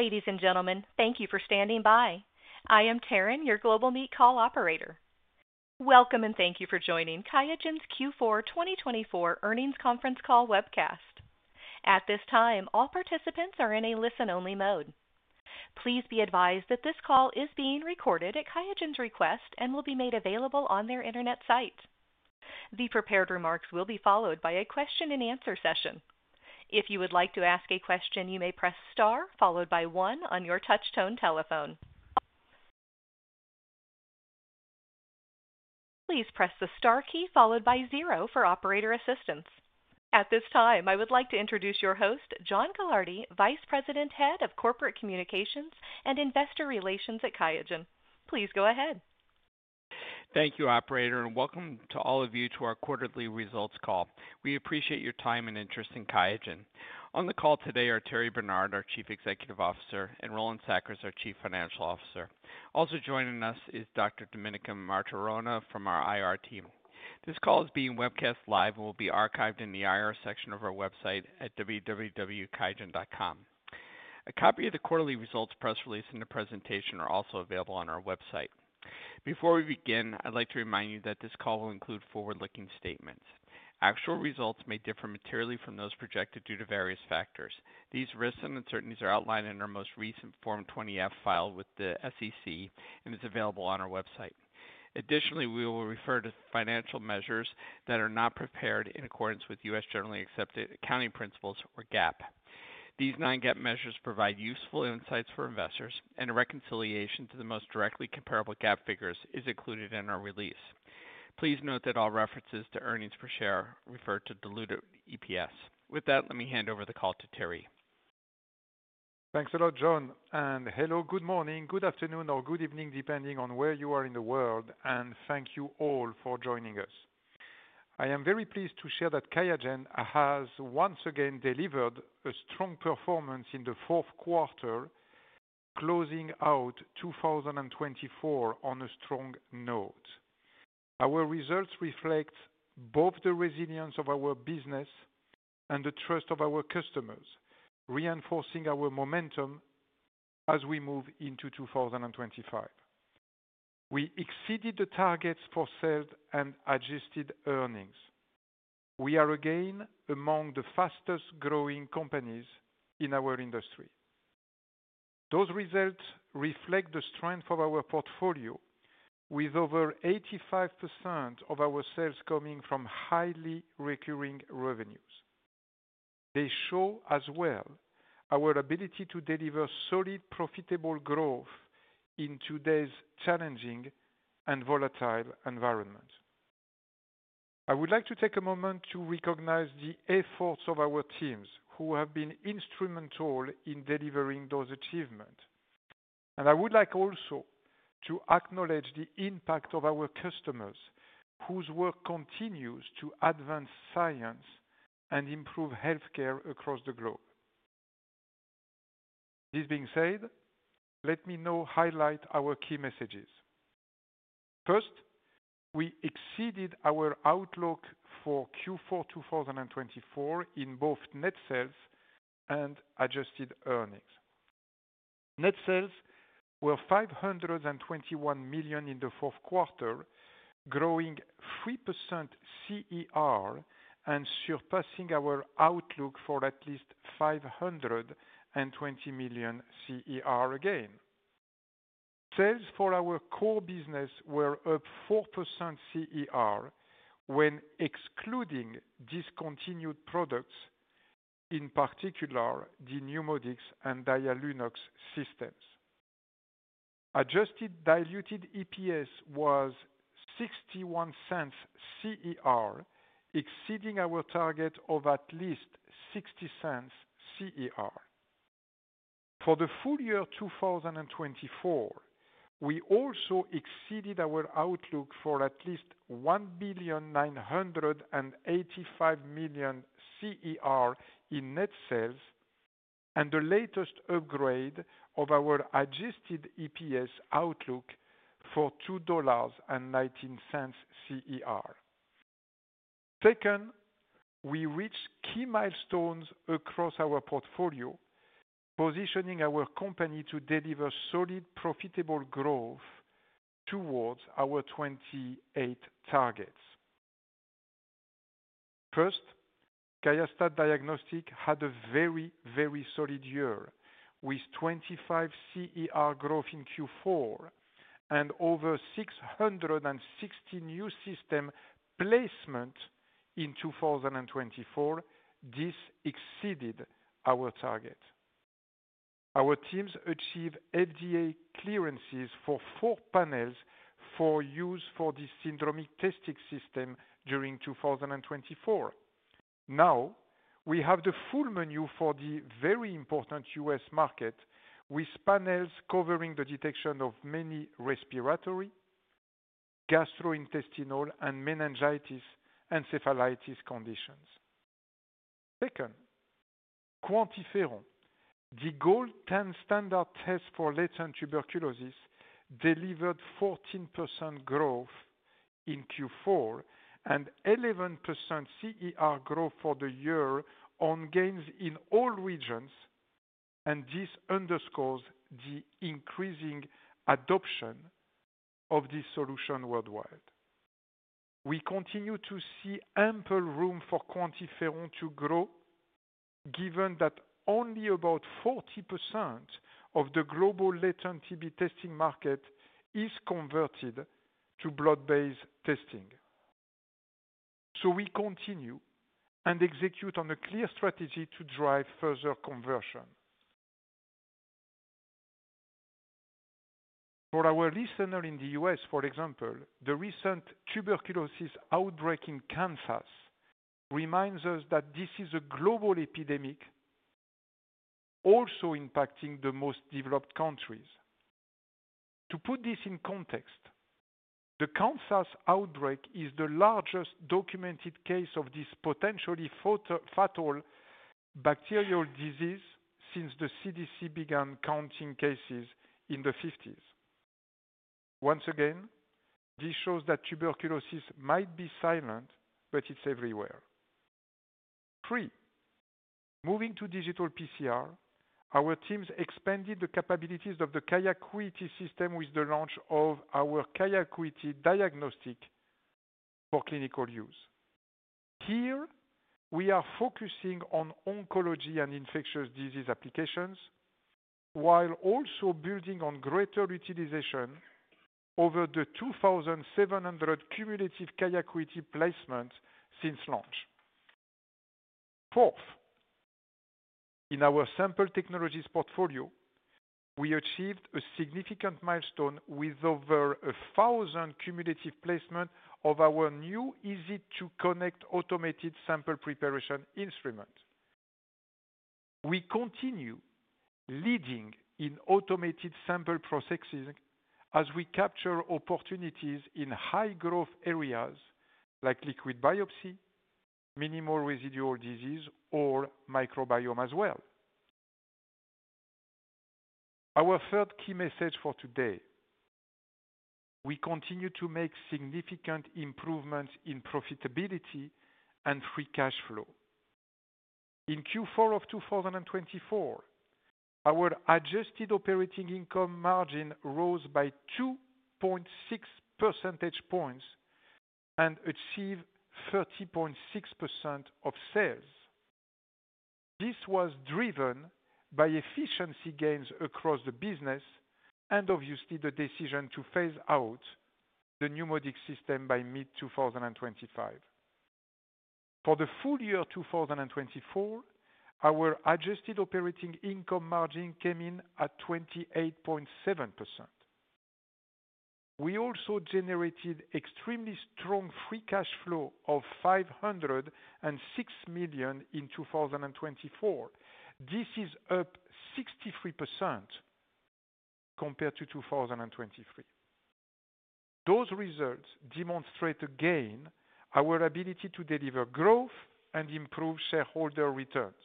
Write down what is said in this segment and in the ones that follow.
Ladies and gentlemen, thank you for standing by. I am Taren, your GlobalMeet Call operator. Welcome and thank you for joining QIAGEN's Q4 2024 Earnings Conference Call webcast. At this time, all participants are in a listen-only mode. Please be advised that this call is being recorded at QIAGEN's request and will be made available on their internet site. The prepared remarks will be followed by a question-and-answer session. If you would like to ask a question, you may press star followed by one on your touch-tone telephone. Please press the star key followed by zero for operator assistance. At this time, I would like to introduce your host, John Gilardi, Vice President, Head of Corporate Communications and Investor Relations at QIAGEN. Please go ahead. Thank you, Operator, and welcome to all of you to our quarterly results call. We appreciate your time and interest in QIAGEN. On the call today are Thierry Bernard, our Chief Executive Officer, and Roland Sackers, our Chief Financial Officer. Also joining us is Dr. Domenica Martorana from our IR team. This call is being webcast live and will be archived in the IR section of our website at www.qiagen.com. A copy of the quarterly results press release and the presentation are also available on our website. Before we begin, I'd like to remind you that this call will include forward-looking statements. Actual results may differ materially from those projected due to various factors. These risks and uncertainties are outlined in our most recent Form 20-F filed with the SEC and is available on our website. Additionally, we will refer to financial measures that are not prepared in accordance with U.S. Generally Accepted Accounting Principles, or GAAP. These non-GAAP measures provide useful insights for investors, and a reconciliation to the most directly comparable GAAP figures is included in our release. Please note that all references to earnings per share refer to diluted EPS. With that, let me hand over the call to Thierry. Thanks a lot, John, and hello, good morning, good afternoon, or good evening depending on where you are in the world, and thank you all for joining us. I am very pleased to share that QIAGEN has once again delivered a strong performance in the fourth quarter, closing out 2024 on a strong note. Our results reflect both the resilience of our business and the trust of our customers, reinforcing our momentum as we move into 2025. We exceeded the targets for sales and adjusted earnings. We are again among the fastest-growing companies in our industry. Those results reflect the strength of our portfolio, with over 85% of our sales coming from highly recurring revenues. They show as well our ability to deliver solid, profitable growth in today's challenging and volatile environment. I would like to take a moment to recognize the efforts of our teams who have been instrumental in delivering those achievements, and I would like also to acknowledge the impact of our customers whose work continues to advance science and improve healthcare across the globe. This being said, let me now highlight our key messages. First, we exceeded our outlook for Q4 2024 in both net sales and adjusted earnings. Net sales were $521 million in the fourth quarter, growing 3% CER and surpassing our outlook for at least $520 million CER again. Sales for our core business were up 4% CER when excluding discontinued products, in particular the NeuMoDx and Dialunox systems. Adjusted diluted EPS was $0.61 CER, exceeding our target of at least $0.60 CER. For the full year 2024, we also exceeded our outlook for at least 1,985 million CER in net sales and the latest upgrade of our adjusted EPS outlook for $2.19 CER. Second, we reached key milestones across our portfolio, positioning our company to deliver solid, profitable growth towards our 2028 targets. First, QIAstat Diagnostics had a very, very solid year with 25% CER growth in Q4 and over 660 new system placements in 2024. This exceeded our target. Our teams achieved FDA clearances for four panels for use for the syndromic testing system during 2024. Now, we have the full menu for the very important U.S. market, with panels covering the detection of many respiratory, gastrointestinal, and meningitis, encephalitis conditions. Second, QuantiFERON, the gold standard test for latent tuberculosis, delivered 14% growth in Q4 and 11% CER growth for the year on gains in all regions, and this underscores the increasing adoption of this solution worldwide. We continue to see ample room for QuantiFERON to grow, given that only about 40% of the global latent TB testing market is converted to blood-based testing. So we continue and execute on a clear strategy to drive further conversion. For our listeners in the U.S., for example, the recent tuberculosis outbreak in Kansas reminds us that this is a global epidemic also impacting the most developed countries. To put this in context, the Kansas outbreak is the largest documented case of this potentially fatal bacterial disease since the CDC began counting cases in the 1950s. Once again, this shows that tuberculosis might be silent, but it's everywhere. Three, moving to digital PCR, our teams expanded the capabilities of the QIAcuity system with the launch of our QIAcuity Dx for clinical use. Here, we are focusing on oncology and infectious disease applications while also building on greater utilization over the 2,700 cumulative QIAcuity placements since launch. Fourth, in our sample technologies portfolio, we achieved a significant milestone with over 1,000 cumulative placements of our new EZ2 Connect automated sample preparation instrument. We continue leading in automated sample processing as we capture opportunities in high-growth areas like liquid biopsy, minimal residual disease, or microbiome as well. Our third key message for today: we continue to make significant improvements in profitability and free cash flow. In Q4 of 2024, our adjusted operating income margin rose by 2.6 percentage points and achieved 30.6% of sales. This was driven by efficiency gains across the business and, obviously, the decision to phase out the NeuMoDx system by mid-2025. For the full year 2024, our adjusted operating income margin came in at 28.7%. We also generated extremely strong free cash flow of $506 million in 2024. This is up 63% compared to 2023. Those results demonstrate again our ability to deliver growth and improve shareholder returns.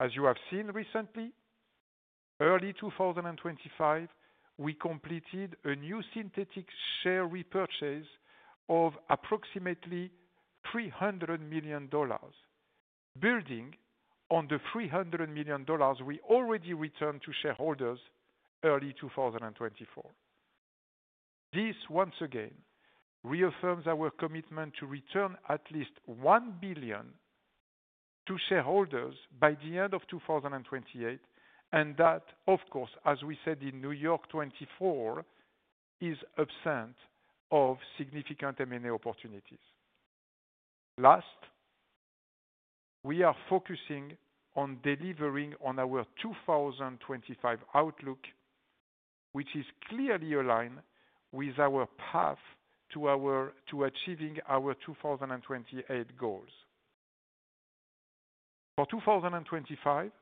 As you have seen recently, early 2025, we completed a new synthetic share repurchase of approximately $300 million, building on the $300 million we already returned to shareholders early 2024. This, once again, reaffirms our commitment to return at least $1 billion to shareholders by the end of 2028, and that, of course, as we said in New York 2024, is absent of significant M&A opportunities. Last, we are focusing on delivering on our 2025 outlook, which is clearly aligned with our path to achieving our 2028 goals. For 2025,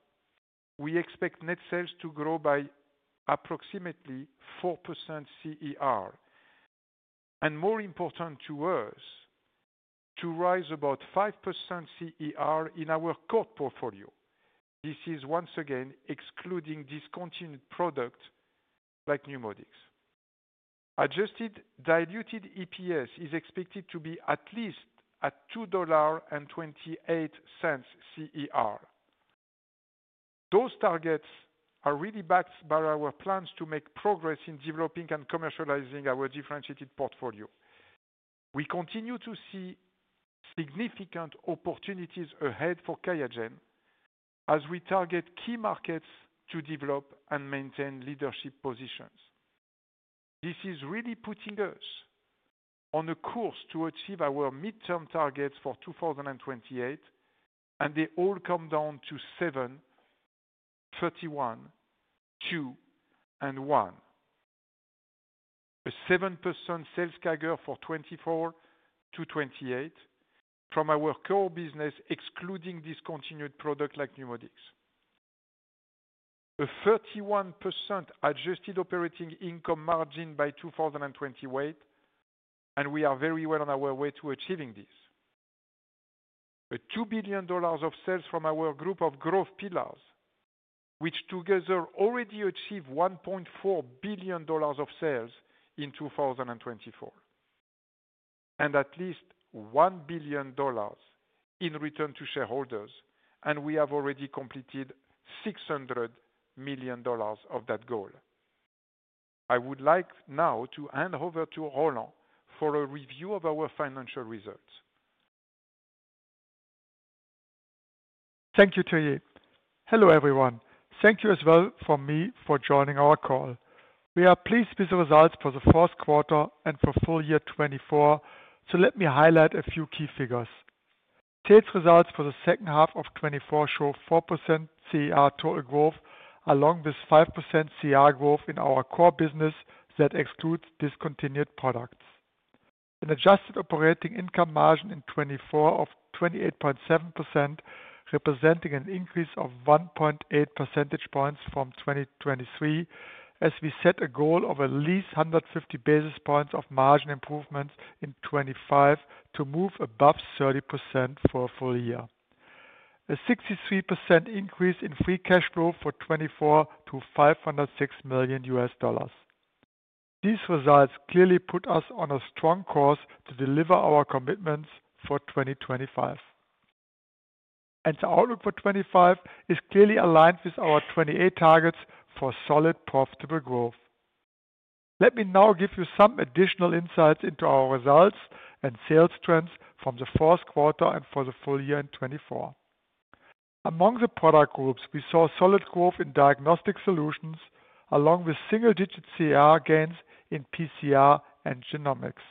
we expect net sales to grow by approximately 4% CER, and more important to us, to Rise about 5% CER in our core portfolio. This is, once again, excluding discontinued products like NeuMoDx. Adjusted diluted EPS is expected to be at least at $2.28 CER. Those targets are really backed by our plans to make progress in developing and commercializing our differentiated portfolio. We continue to see significant opportunities ahead for QIAGEN as we target key markets to develop and maintain leadership positions. This is really putting us on a course to achieve our midterm targets for 2028, and they all come down to 7, 31, 2, and 1. A 7% sales CAGR for 2024 to 2028 from our core business, excluding discontinued products like NeuMoDx. A 31% adjusted operating income margin by 2028, and we are very well on our way to achieving this. A $2 billion of sales from our group of growth pillars, which together already achieved $1.4 billion of sales in 2024, and at least $1 billion in return to shareholders, and we have already completed $600 million of that goal. I would like now to hand over to Roland for a review of our financial results. Thank you, Thierry. Hello, everyone. Thank you as well from me for joining our call. We are pleased with the results for the fourth quarter and for full year 2024, so let me highlight a few key figures. Today's results for the second half of 2024 show 4% CER total growth along with 5% CER growth in our core business that excludes discontinued products. An adjusted operating income margin in 2024 of 28.7%, representing an increase of 1.8 percentage points from 2023, as we set a goal of at least 150 basis points of margin improvements in 2025 to move above 30% for a full year. A 63% increase in free cash flow for 2024 to $506 million. These results clearly put us on a strong course to deliver our commitments for 2025. And our outlook for 2025 is clearly aligned with our 2028 targets for solid, profitable growth. Let me now give you some additional insights into our results and sales trends from the fourth quarter and for the full year in 2024. Among the product groups, we saw solid growth in diagnostic solutions along with single-digit CER gains in PCR and genomics.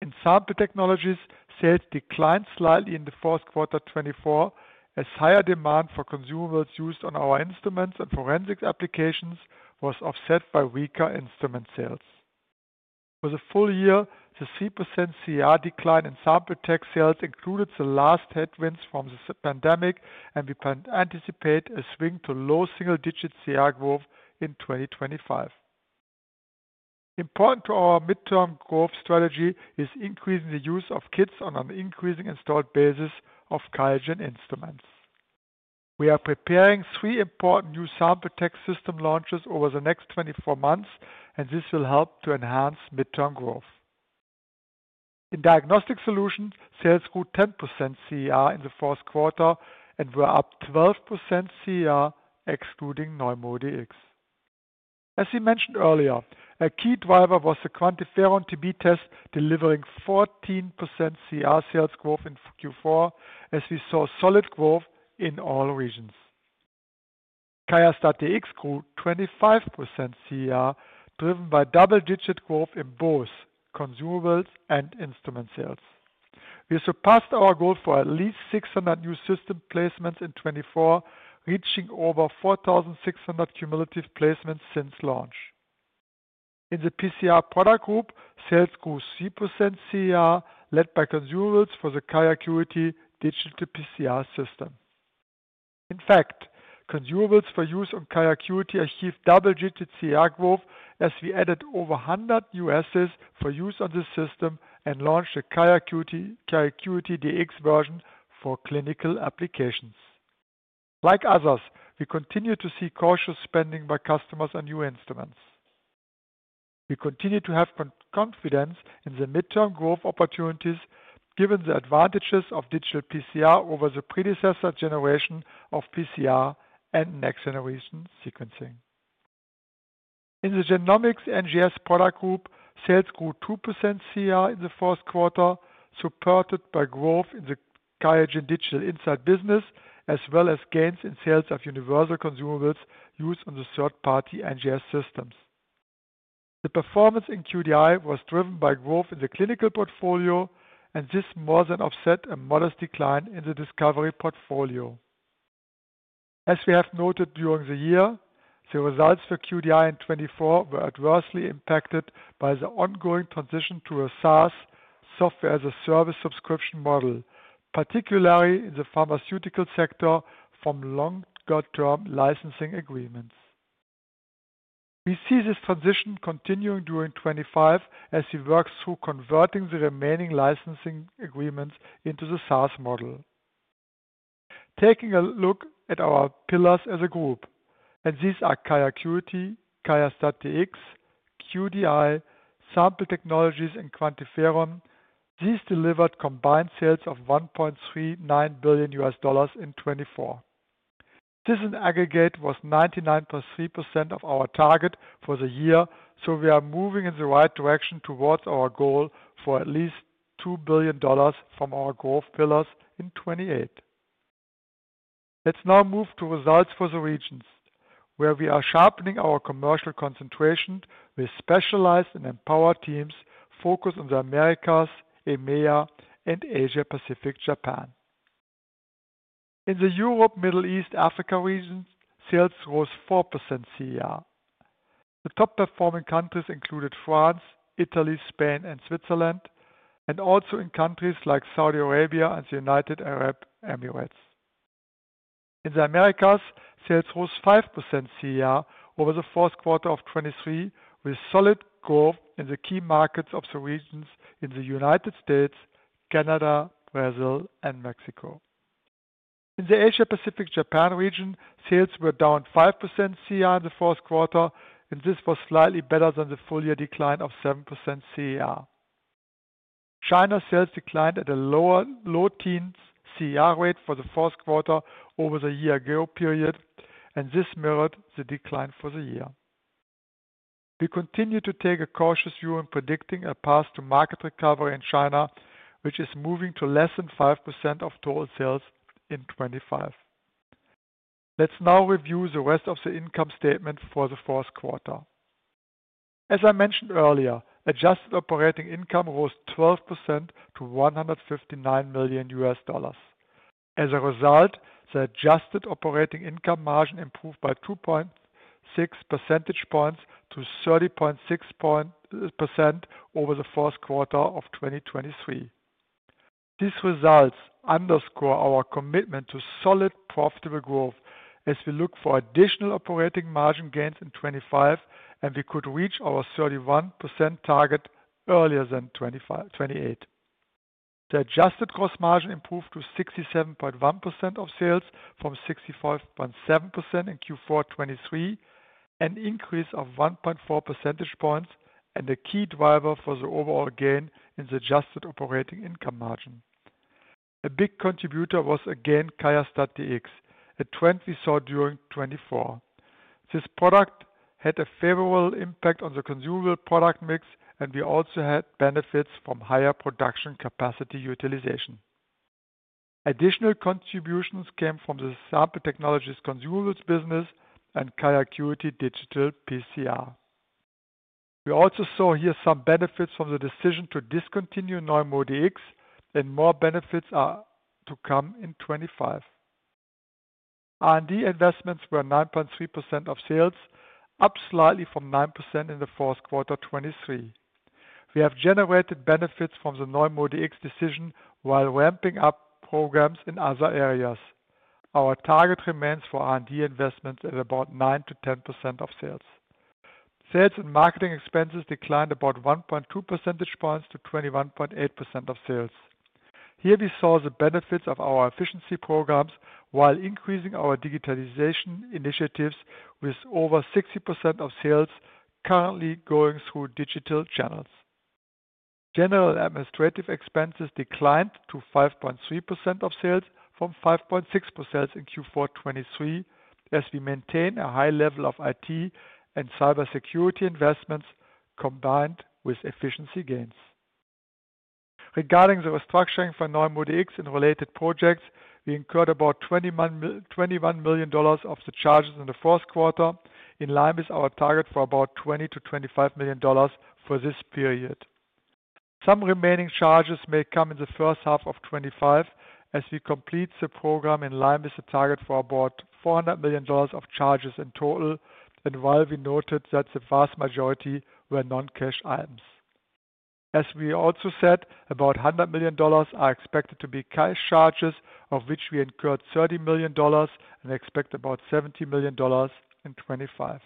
In sample technologies, sales declined slightly in the fourth quarter 2024 as higher demand for consumables used on our instruments and forensics applications was offset by weaker instrument sales. For the full year, the 3% CER decline in Sample Tech sales included the last headwinds from the pandemic, and we can anticipate a swing to low single-digit CER growth in 2025. Important to our midterm growth strategy is increasing the use of kits on an increasing installed basis of QIAGEN instruments. We are preparing three important new Sample Tech system launches over the next 24 months, and this will help to enhance midterm growth. In diagnostic solutions, sales grew 10% CER in the fourth quarter and were up 12% CER, excluding NeuMoDx. As we mentioned earlier, a key driver was the QuantiFERON TB test, delivering 14% CER sales growth in Q4, as we saw solid growth in all regions. QIAstat-Dx grew 25% CER, driven by double-digit growth in both consumables and instrument sales. We surpassed our goal for at least 600 new system placements in 2024, reaching over 4,600 cumulative placements since launch. In the PCR product group, sales grew 3% CER, led by consumables for the QIAcuity digital PCR system. In fact, consumables for use on QIAcuity achieved double-digit CER growth as we added over 100 new assets for use on the system and launched a QIAcuity Dx version for clinical applications. Like others, we continue to see cautious spending by customers on new instruments. We continue to have confidence in the midterm growth opportunities, given the advantages of digital PCR over the predecessor generation of PCR and next-generation sequencing. In the genomics NGS product group, sales grew 2% CER in the fourth quarter, supported by growth in the QIAGEN Digital Insights business, as well as gains in sales of universal consumables used on the third-party NGS systems. The performance in QDI was driven by growth in the clinical portfolio, and this more than offset a modest decline in the discovery portfolio. As we have noted during the year, the results for QDI in 2024 were adversely impacted by the ongoing transition to a SaaS software-as-a-service subscription model, particularly in the pharmaceutical sector from longer-term licensing agreements. We see this transition continuing during 2025 as we work through converting the remaining licensing agreements into the SaaS model. Taking a look at our pillars as a group, and these are QIAcuity, QIAstat-Dx, QDI, Sample Technologies, and QuantiFERON, these delivered combined sales of $1.39 billion in 2024. This in aggregate was 99.3% of our target for the year, so we are moving in the right direction towards our goal for at least $2 billion from our growth pillars in 2028. Let's now move to results for the regions, where we are sharpening our commercial concentration with specialized and empowered teams focused on the Americas, EMEA, and Asia-Pacific, Japan. In the Europe, Middle East, and Africa regions, sales rose 4% CER. The top-performing countries included France, Italy, Spain, and Switzerland, and also in countries like Saudi Arabia and the United Arab Emirates. In the Americas, sales rose 5% CER over the fourth quarter of 2023 with solid growth in the key markets of the regions in the United States, Canada, Brazil, and Mexico. In the Asia-Pacific, Japan region, sales were down 5% CER in the fourth quarter, and this was slightly better than the full year decline of 7% CER. China's sales declined at a low teens CER rate for the fourth quarter over the year-ago period, and this mirrored the decline for the year. We continue to take a cautious view in predicting a path to market recovery in China, which is moving to less than 5% of total sales in 2025. Let's now review the rest of the income statement for the fourth quarter. As I mentioned earlier, adjusted operating income rose 12% to $159 million. As a result, the adjusted operating income margin improved by 2.6 percentage points to 30.6% over the fourth quarter of 2023. These results underscore our commitment to solid, profitable growth as we look for additional operating margin gains in 2025, and we could reach our 31% target earlier than 2028. The adjusted gross margin improved to 67.1% of sales from 65.7% in Q4 2023, an increase of 1.4 percentage points, and a key driver for the overall gain in the adjusted operating income margin. A big contributor was again QIAstat-Dx, a trend we saw during 2024. This product had a favorable impact on the consumable product mix, and we also had benefits from higher production capacity utilization. Additional contributions came from the Sample Technologies consumables business and QIAcuity digital PCR. We also saw here some benefits from the decision to discontinue NeuMoDx, and more benefits are to come in 2025. R&D investments were 9.3% of sales, up slightly from 9% in the fourth quarter 2023. We have generated benefits from the NeuMoDx decision while ramping up programs in other areas. Our target remains for R&D investments at about 9% to 10% of sales. Sales and marketing expenses declined about 1.2 percentage points to 21.8% of sales. Here we saw the benefits of our efficiency programs while increasing our digitalization initiatives with over 60% of sales currently going through digital channels. General administrative expenses declined to 5.3% of sales from 5.6% in Q4 2023 as we maintain a high level of IT and cybersecurity investments combined with efficiency gains. Regarding the restructuring for NeuMoDx and related projects, we incurred about $21 million of the charges in the fourth quarter, in line with our target for about $20-$25 million for this period. Some remaining charges may come in the first half of 2025 as we complete the program in line with the target for about $400 million of charges in total, and while we noted that the vast majority were non-cash items. As we also said, about $100 million are expected to be cash charges, of which we incurred $30 million and expect about $70 million in 2025.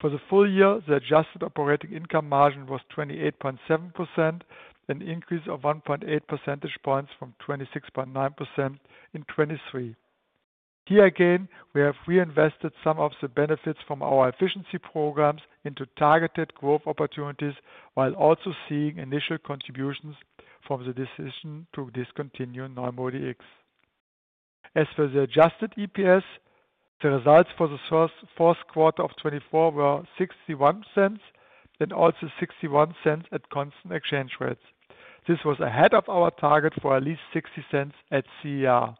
For the full year, the adjusted operating income margin was 28.7%, an increase of 1.8 percentage points from 26.9% in 2023. Here again, we have reinvested some of the benefits from our efficiency programs into targeted growth opportunities while also seeing initial contributions from the decision to discontinue NeuMoDx. As for the adjusted EPS, the results for the fourth quarter of 2024 were $0.61 and also $0.61 at constant exchange rates. This was ahead of our target for at least $0.60 at CER.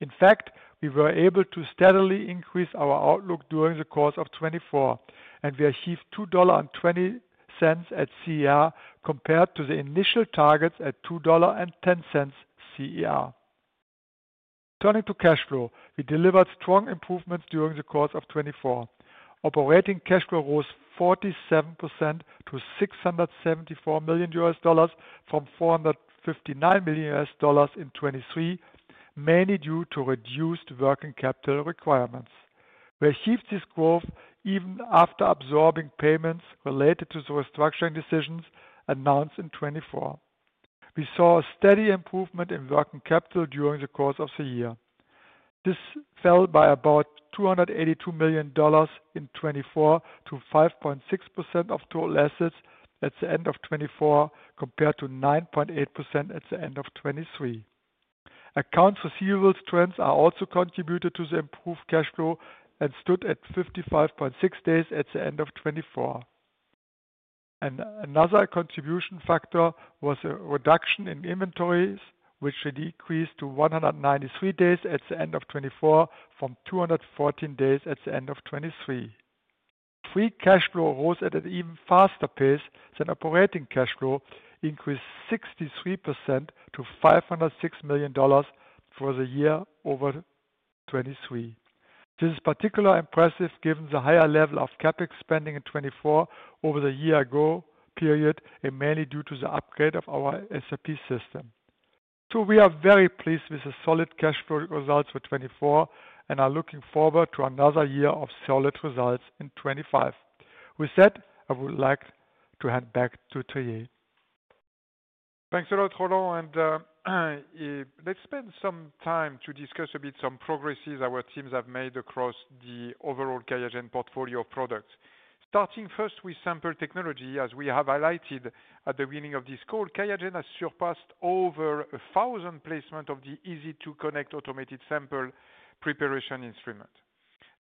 In fact, we were able to steadily increase our outlook during the course of 2024, and we achieved $2.20 at CER compared to the initial targets at $2.10 CER. Turning to cash flow, we delivered strong improvements during the course of 2024. Operating cash flow rose 47% to $674 million from $459 million in 2023, mainly due to reduced working capital requirements. We achieved this growth even after absorbing payments related to the restructuring decisions announced in 2024. We saw a steady improvement in working capital during the course of the year. This fell by about $282 million in 2024 to 5.6% of total assets at the end of 2024 compared to 9.8% at the end of 2023. Accounts receivables trends also contributed to the improved cash flow and stood at 55.6 days at the end of 2024. Another contribution factor was a reduction in inventories, which decreased to 193 days at the end of 2024 from 214 days at the end of 2023. Free cash flow rose at an even faster pace than operating cash flow, increased 63% to $506 million for the year over 2023. This is particularly impressive given the higher level of CapEx spending in 2024 over the year-ago period and mainly due to the upgrade of our SAP system. So we are very pleased with the solid cash flow results for 2024 and are looking forward to another year of solid results in 2025. With that, I would like to hand back to Thierry. Thanks a lot, Roland, and let's spend some time to discuss a bit some progresses our teams have made across the overall QIAGEN portfolio of products. Starting first with Sample Technology, as we have highlighted at the beginning of this call, QIAGEN has surpassed over 1,000 placements of the EZ2 Connect automated sample preparation instrument.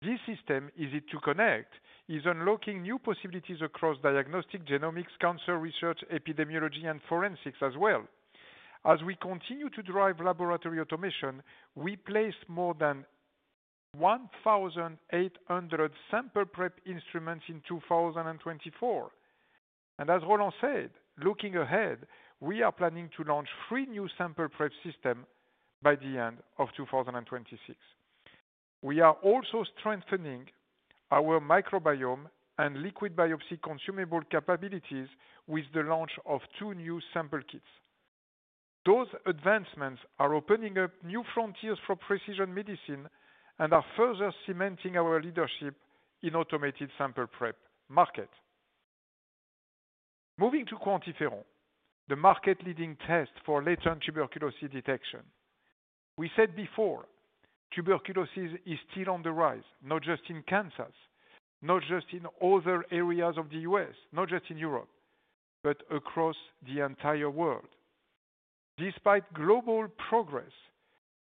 This system, EZ2 Connect, is unlocking new possibilities across diagnostic, genomics, cancer research, epidemiology, and forensics as well. As we continue to drive laboratory automation, we placed more than 1,800 sample prep instruments in 2024, and as Roland said, looking ahead, we are planning to launch 3 new sample prep systems by the end of 2026. We are also strengthening our microbiome and liquid biopsy consumable capabilities with the launch of two new sample kits. Those advancements are opening up new frontiers for precision medicine and are further cementing our leadership in the automated sample prep market. Moving to QuantiFERON, the market-leading test for latent tuberculosis detection. We said before, tuberculosis is still on the rise, not just in Kansas, not just in other areas of the U.S., not just in Europe, but across the entire world. Despite global progress,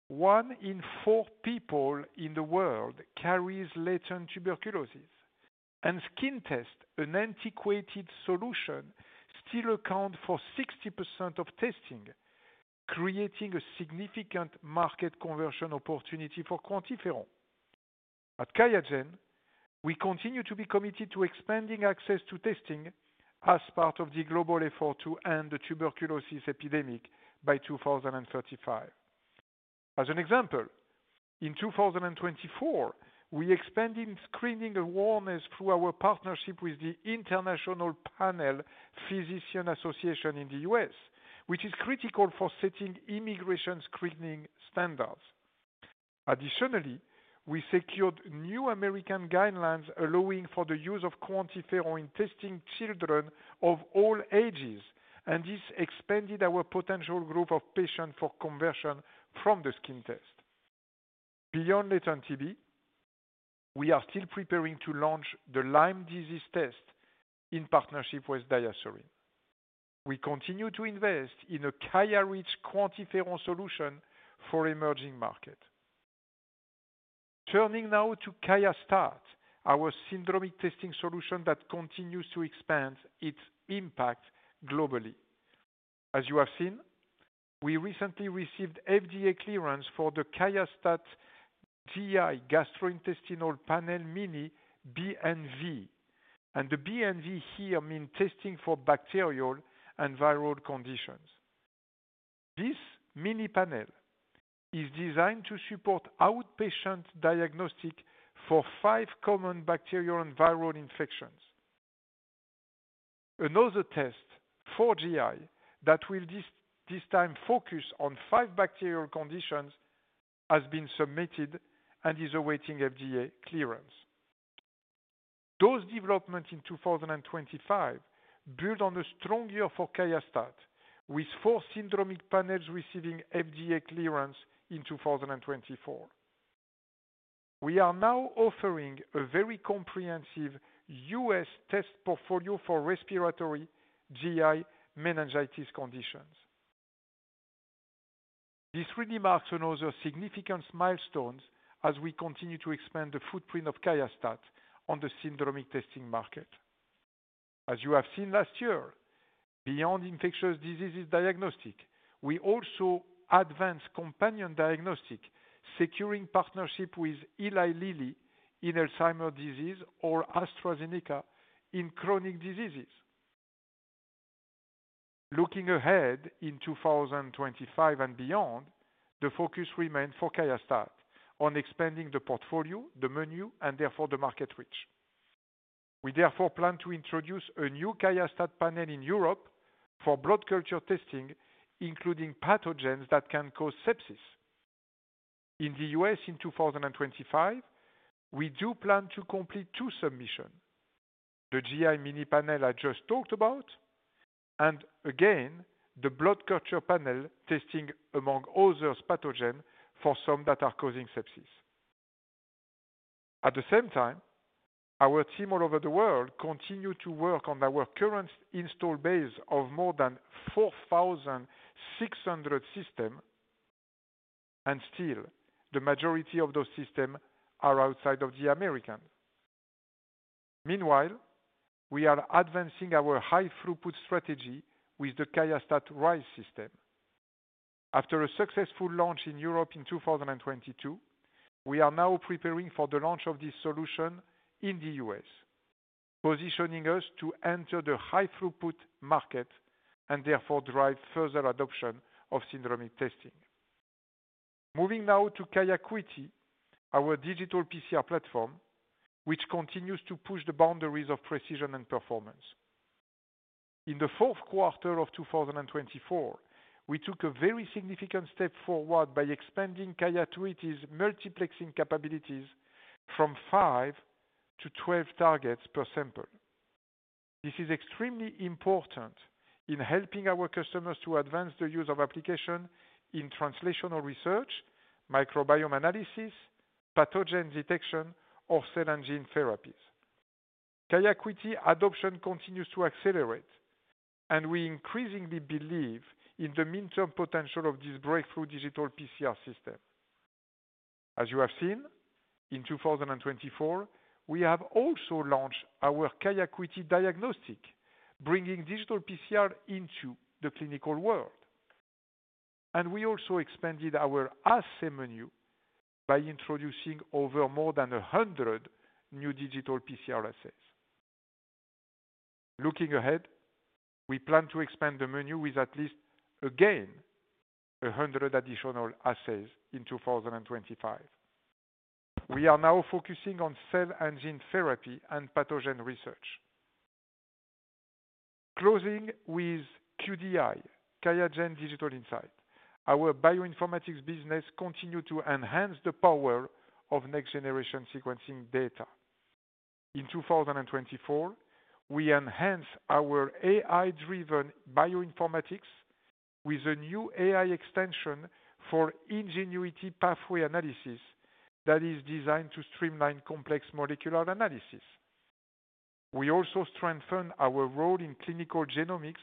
one in four people in the world carries latent tuberculosis, and skin tests, an antiquated solution, still account for 60% of testing, creating a significant market conversion opportunity for QuantiFERON. At QIAGEN, we continue to be committed to expanding access to testing as part of the global effort to end the tuberculosis epidemic by 2035. As an example, in 2024, we expanded screening awareness through our partnership with the International Panel Physicians Association in the U.S., which is critical for setting immigration screening standards. Additionally, we secured new American guidelines allowing for the use of QuantiFERON in testing children of all ages, and this expanded our potential group of patients for conversion from the skin test. Beyond latent TB, we are still preparing to launch the Lyme disease test in partnership with DiaSorin. We continue to invest in a QIAreach QuantiFERON solution for emerging markets. Turning now to QIAstat-Dx, our syndromic testing solution that continues to expand its impact globally. As you have seen, we recently received FDA clearance for the QIAstat-Dx GI Mini Panel, and the B and V here means testing for bacterial and viral conditions. This mini panel is designed to support outpatient diagnostic for five common bacterial and viral infections. Another test, for GI, that will this time focus on 5 bacterial conditions, has been submitted and is awaiting FDA clearance. Those developments in 2025 build on a strong year for QIAstat-Dx, with four syndromic panels receiving FDA clearance in 2024. We are now offering a very comprehensive U.S. test portfolio for respiratory, GI, and meningitis conditions. This really marks another significant milestone as we continue to expand the footprint of QIAstat-Dx on the syndromic testing market. As you have seen last year, beyond infectious diseases diagnostic, we also advance companion diagnostic, securing partnership with Eli Lilly in Alzheimer's disease or AstraZeneca in chronic diseases. Looking ahead in 2025 and beyond, the focus remains for QIAstat-Dx on expanding the portfolio, the menu, and therefore the market reach. We therefore plan to introduce a new QIAstat-Dx panel in Europe for blood culture testing, including pathogens that can cause sepsis. In the U.S. in 2025, we do plan to complete two submissions: the GI mini panel I just talked about, and again, the blood culture panel testing among other pathogens for some that are causing sepsis. At the same time, our team all over the world continues to work on our current install base of more than 4,600 systems, and still, the majority of those systems are outside of the Americas. Meanwhile, we are advancing our high-throughput strategy with theQIAstat-Dx Rise system. After a successful launch in Europe in 2022, we are now preparing for the launch of this solution in the U.S., positioning us to enter the high-throughput market and therefore drive further adoption of syndromic testing. Moving now to QIAcuity, our digital PCR platform, which continues to push the boundaries of precision and performance. In the fourth quarter of 2024, we took a very significant step forward by expanding QIAcuity's multiplexing capabilities from 5 to 12 targets per sample. This is extremely important in helping our customers to advance the use of applications in translational research, microbiome analysis, pathogen detection, or cell and gene therapies. QIAcuity adoption continues to accelerate, and we increasingly believe in the midterm potential of this breakthrough digital PCR system. As you have seen, in 2024, we have also launched our QIAcuity Dx, bringing digital PCR into the clinical world, and we also expanded our assay menu by introducing over more than 100 new digital PCR assays. Looking ahead, we plan to expand the menu with at least, again, 100 additional assays in 2025. We are now focusing on cell and gene therapy and pathogen research. Closing with QDI, QIAGEN Digital Insights, our bioinformatics business continues to enhance the power of next-generation sequencing data. In 2024, we enhance our AI-driven bioinformatics with a new AI extension for Ingenuity Pathway Analysis that is designed to streamline complex molecular analysis. We also strengthen our role in clinical genomics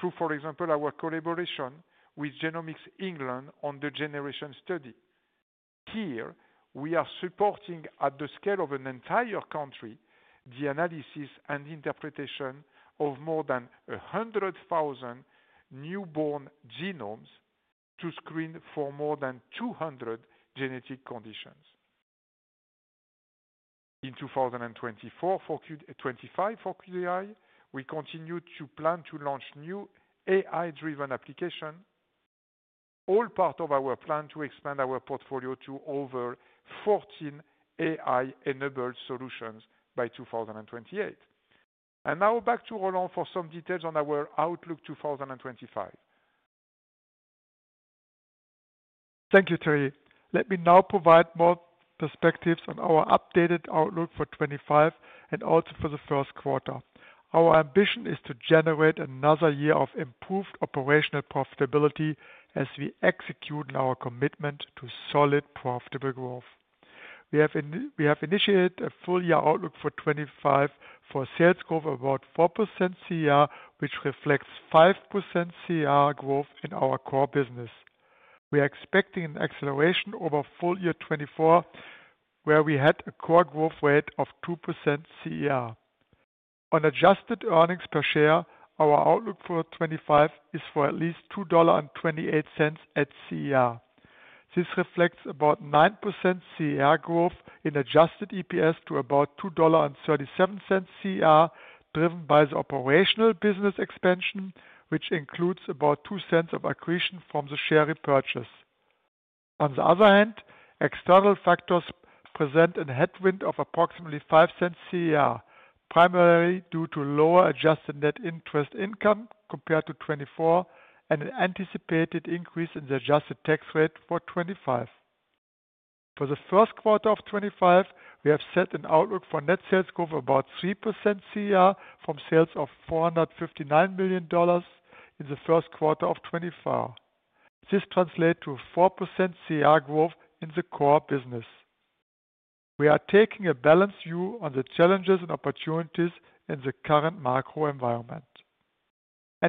through, for example, our collaboration with Genomics England on the Generation Study. Here, we are supporting at the scale of an entire country the analysis and interpretation of more than 100,000 newborn genomes to screen for more than 200 genetic conditions. In 2024-25 for QDI, we continue to plan to launch new AI-driven applications, all part of our plan to expand our portfolio to over 14 AI-enabled solutions by 2028. And now back to Roland for some details on our outlook 2025. Thank you, Thierry. Let me now provide more perspectives on our updated outlook for 2025 and also for the first quarter. Our ambition is to generate another year of improved operational profitability as we execute our commitment to solid profitable growth. We have initiated a full-year outlook for 2025 for sales growth of about 4% CER, which reflects 5% CER growth in our core business. We are expecting an acceleration over full-year 2024, where we had a core growth rate of 2% CER. On adjusted earnings per share, our outlook for 2025 is for at least $2.28 at CER. This reflects about 9% CER growth in adjusted EPS to about $2.37 CER, driven by the operational business expansion, which includes about 2% of accretion from the share repurchase. On the other hand, external factors present a headwind of approximately 5% CER, primarily due to lower adjusted net interest income compared to 2024 and an anticipated increase in the adjusted tax rate for 2025. For the first quarter of 2025, we have set an outlook for net sales growth of about 3% CER from sales of $459 million in the first quarter of 2025. This translates to 4% CER growth in the core business. We are taking a balanced view on the challenges and opportunities in the current macro environment.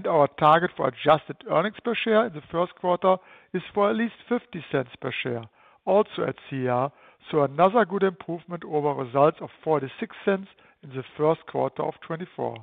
Our target for adjusted earnings per share in the first quarter is for at least $0.50 per share, also at CER, so another good improvement over results of $0.46 in the first quarter of 2024.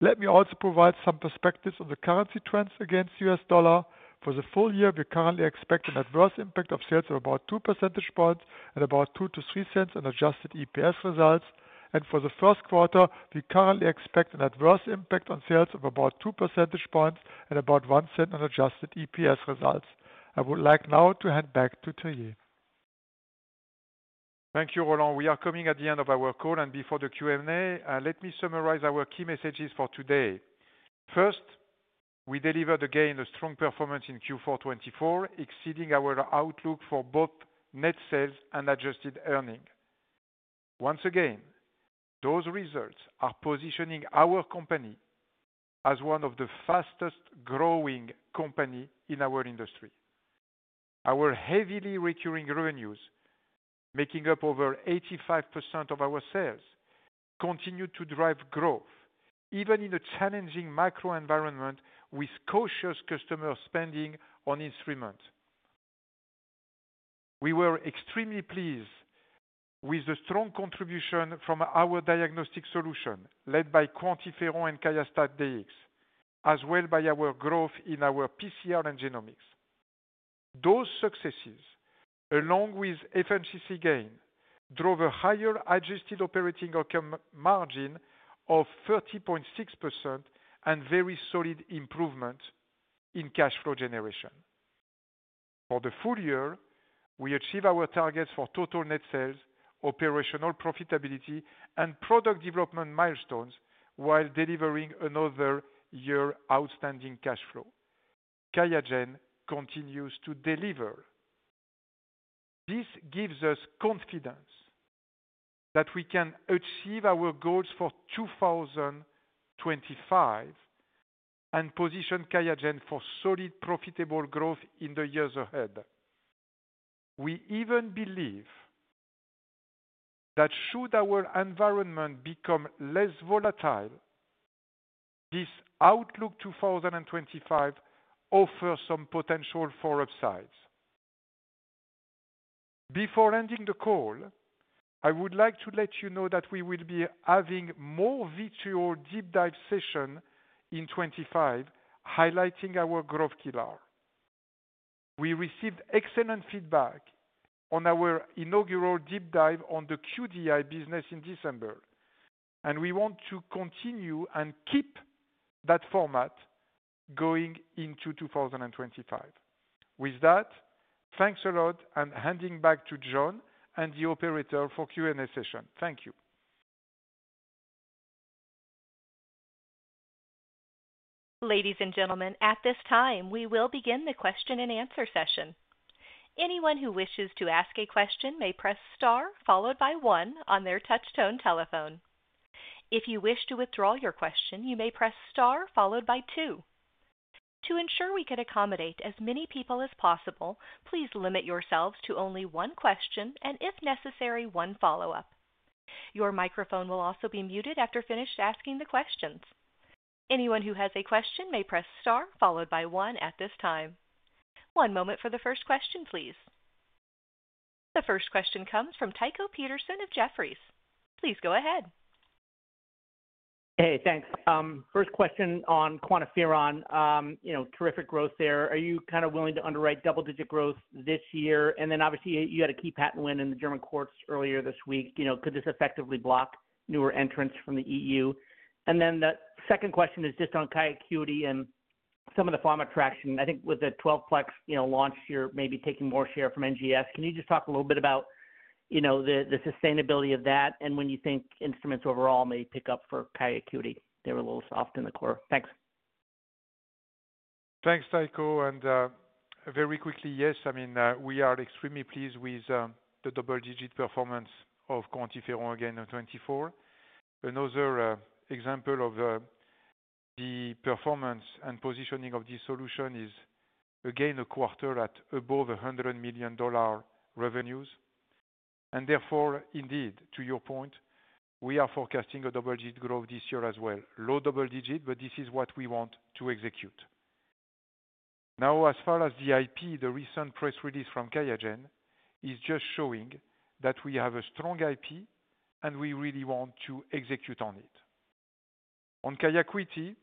Let me also provide some perspectives on the currency trends against U.S. dollar. For the full year, we currently expect an adverse impact of sales of about 2 percentage points and about $0.02-$0.03 on adjusted EPS results. And for the first quarter, we currently expect an adverse impact on sales of about 2 percentage points and about $0.01 on adjusted EPS results. I would like now to hand back to Thierry. Thank you, Roland. We are coming at the end of our call, and before the Q&A, let me summarize our key messages for today. First, we delivered again a strong performance in Q4 2024, exceeding our outlook for both net sales and adjusted earnings. Once again, those results are positioning our company as one of the fastest-growing companies in our industry. Our heavily recurring revenues, making up over 85% of our sales, continue to drive growth, even in a challenging macro environment with cautious customer spending on instruments. We were extremely pleased with the strong contribution from our diagnostic solution led by QuantiFERON and QIAstat-Dx, as well as by our growth in our PCR and genomics. Those successes, along with FX gain, drove a higher adjusted operating income margin of 30.6% and very solid improvement in cash flow generation. For the full year, we achieved our targets for total net sales, operational profitability, and product development milestones while delivering another year of outstanding cash flow. QIAGEN continues to deliver. This gives us confidence that we can achieve our goals for 2025 and position QIAGEN for solid profitable growth in the years ahead. We even believe that should our environment become less volatile, this outlook 2025 offers some potential for upsides. Before ending the call, I would like to let you know that we will be having more virtual deep dive sessions in 2025, highlighting our growth pillar. We received excellent feedback on our inaugural deep dive on the QDI business in December, and we want to continue and keep that format going into 2025. With that, thanks a lot, and handing back to John and the operator for Q&A session. Thank you. Ladies and gentlemen, at this time, we will begin the question-and-answer session. Anyone who wishes to ask a question may press Star followed by 1 on their touch-tone telephone. If you wish to withdraw your question, you may press Star followed by 2. To ensure we can accommodate as many people as possible, please limit yourselves to only one question and, if necessary, one follow-up. Your microphone will also be muted after finished asking the questions. Anyone who has a question may press Star followed by 1 at this time. One moment for the first question, please. The first question comes from Tycho Peterson of Jefferies. Please go ahead. Hey, thanks. First question on QuantiFERON, terrific growth there. Are you kind of willing to underwrite double-digit growth this year? And then, obviously, you had a key patent win in the German courts earlier this week. Could this effectively block newer entrants from the EU? And then the second question is just on QIAcuity and some of the pharma traction. I think with the 12-plex launch year, maybe taking more share from NGS. Can you just talk a little bit about the sustainability of that and when you think instruments overall may pick up for QIAcuity? They were a little soft in the core. Thanks. Thanks, Tycho. And very quickly, yes, I mean, we are extremely pleased with the double-digit performance of QuantiFERON again in 2024. Another example of the performance and positioning of this solution is, again, a quarter at above $100 million revenues. Therefore, indeed, to your point, we are forecasting a double-digit growth this year as well. Low double-digit, but this is what we want to execute. Now, as far as the IP, the recent press release from QIAGEN is just showing that we have a strong IP and we really want to execute on it. On QIAcuity,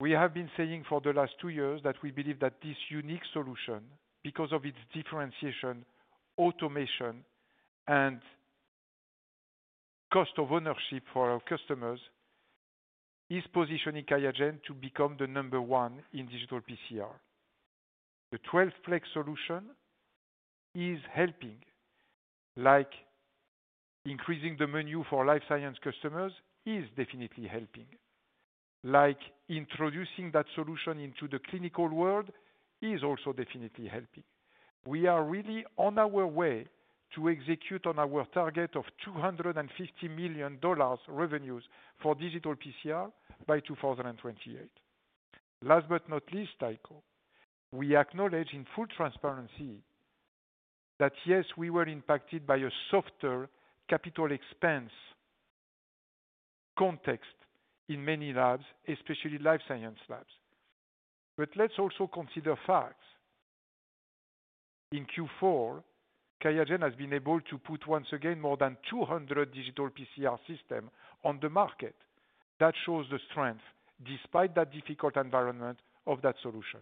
we have been saying for the last two years that we believe that this unique solution, because of its differentiation, automation, and cost of ownership for our customers, is positioning QIAGEN to become the number one in digital PCR. The 12-plex solution is helping, like increasing the menu for life science customers is definitely helping. Like introducing that solution into the clinical world is also definitely helping. We are really on our way to execute on our target of $250 million revenues for digital PCR by 2028. Last but not least, Tycho, we acknowledge in full transparency that, yes, we were impacted by a softer capital expense context in many labs, especially life science labs. But let's also consider facts. In Q4, QIAGEN has been able to put, once again, more than 200 digital PCR systems on the market. That shows the strength, despite that difficult environment of that solution.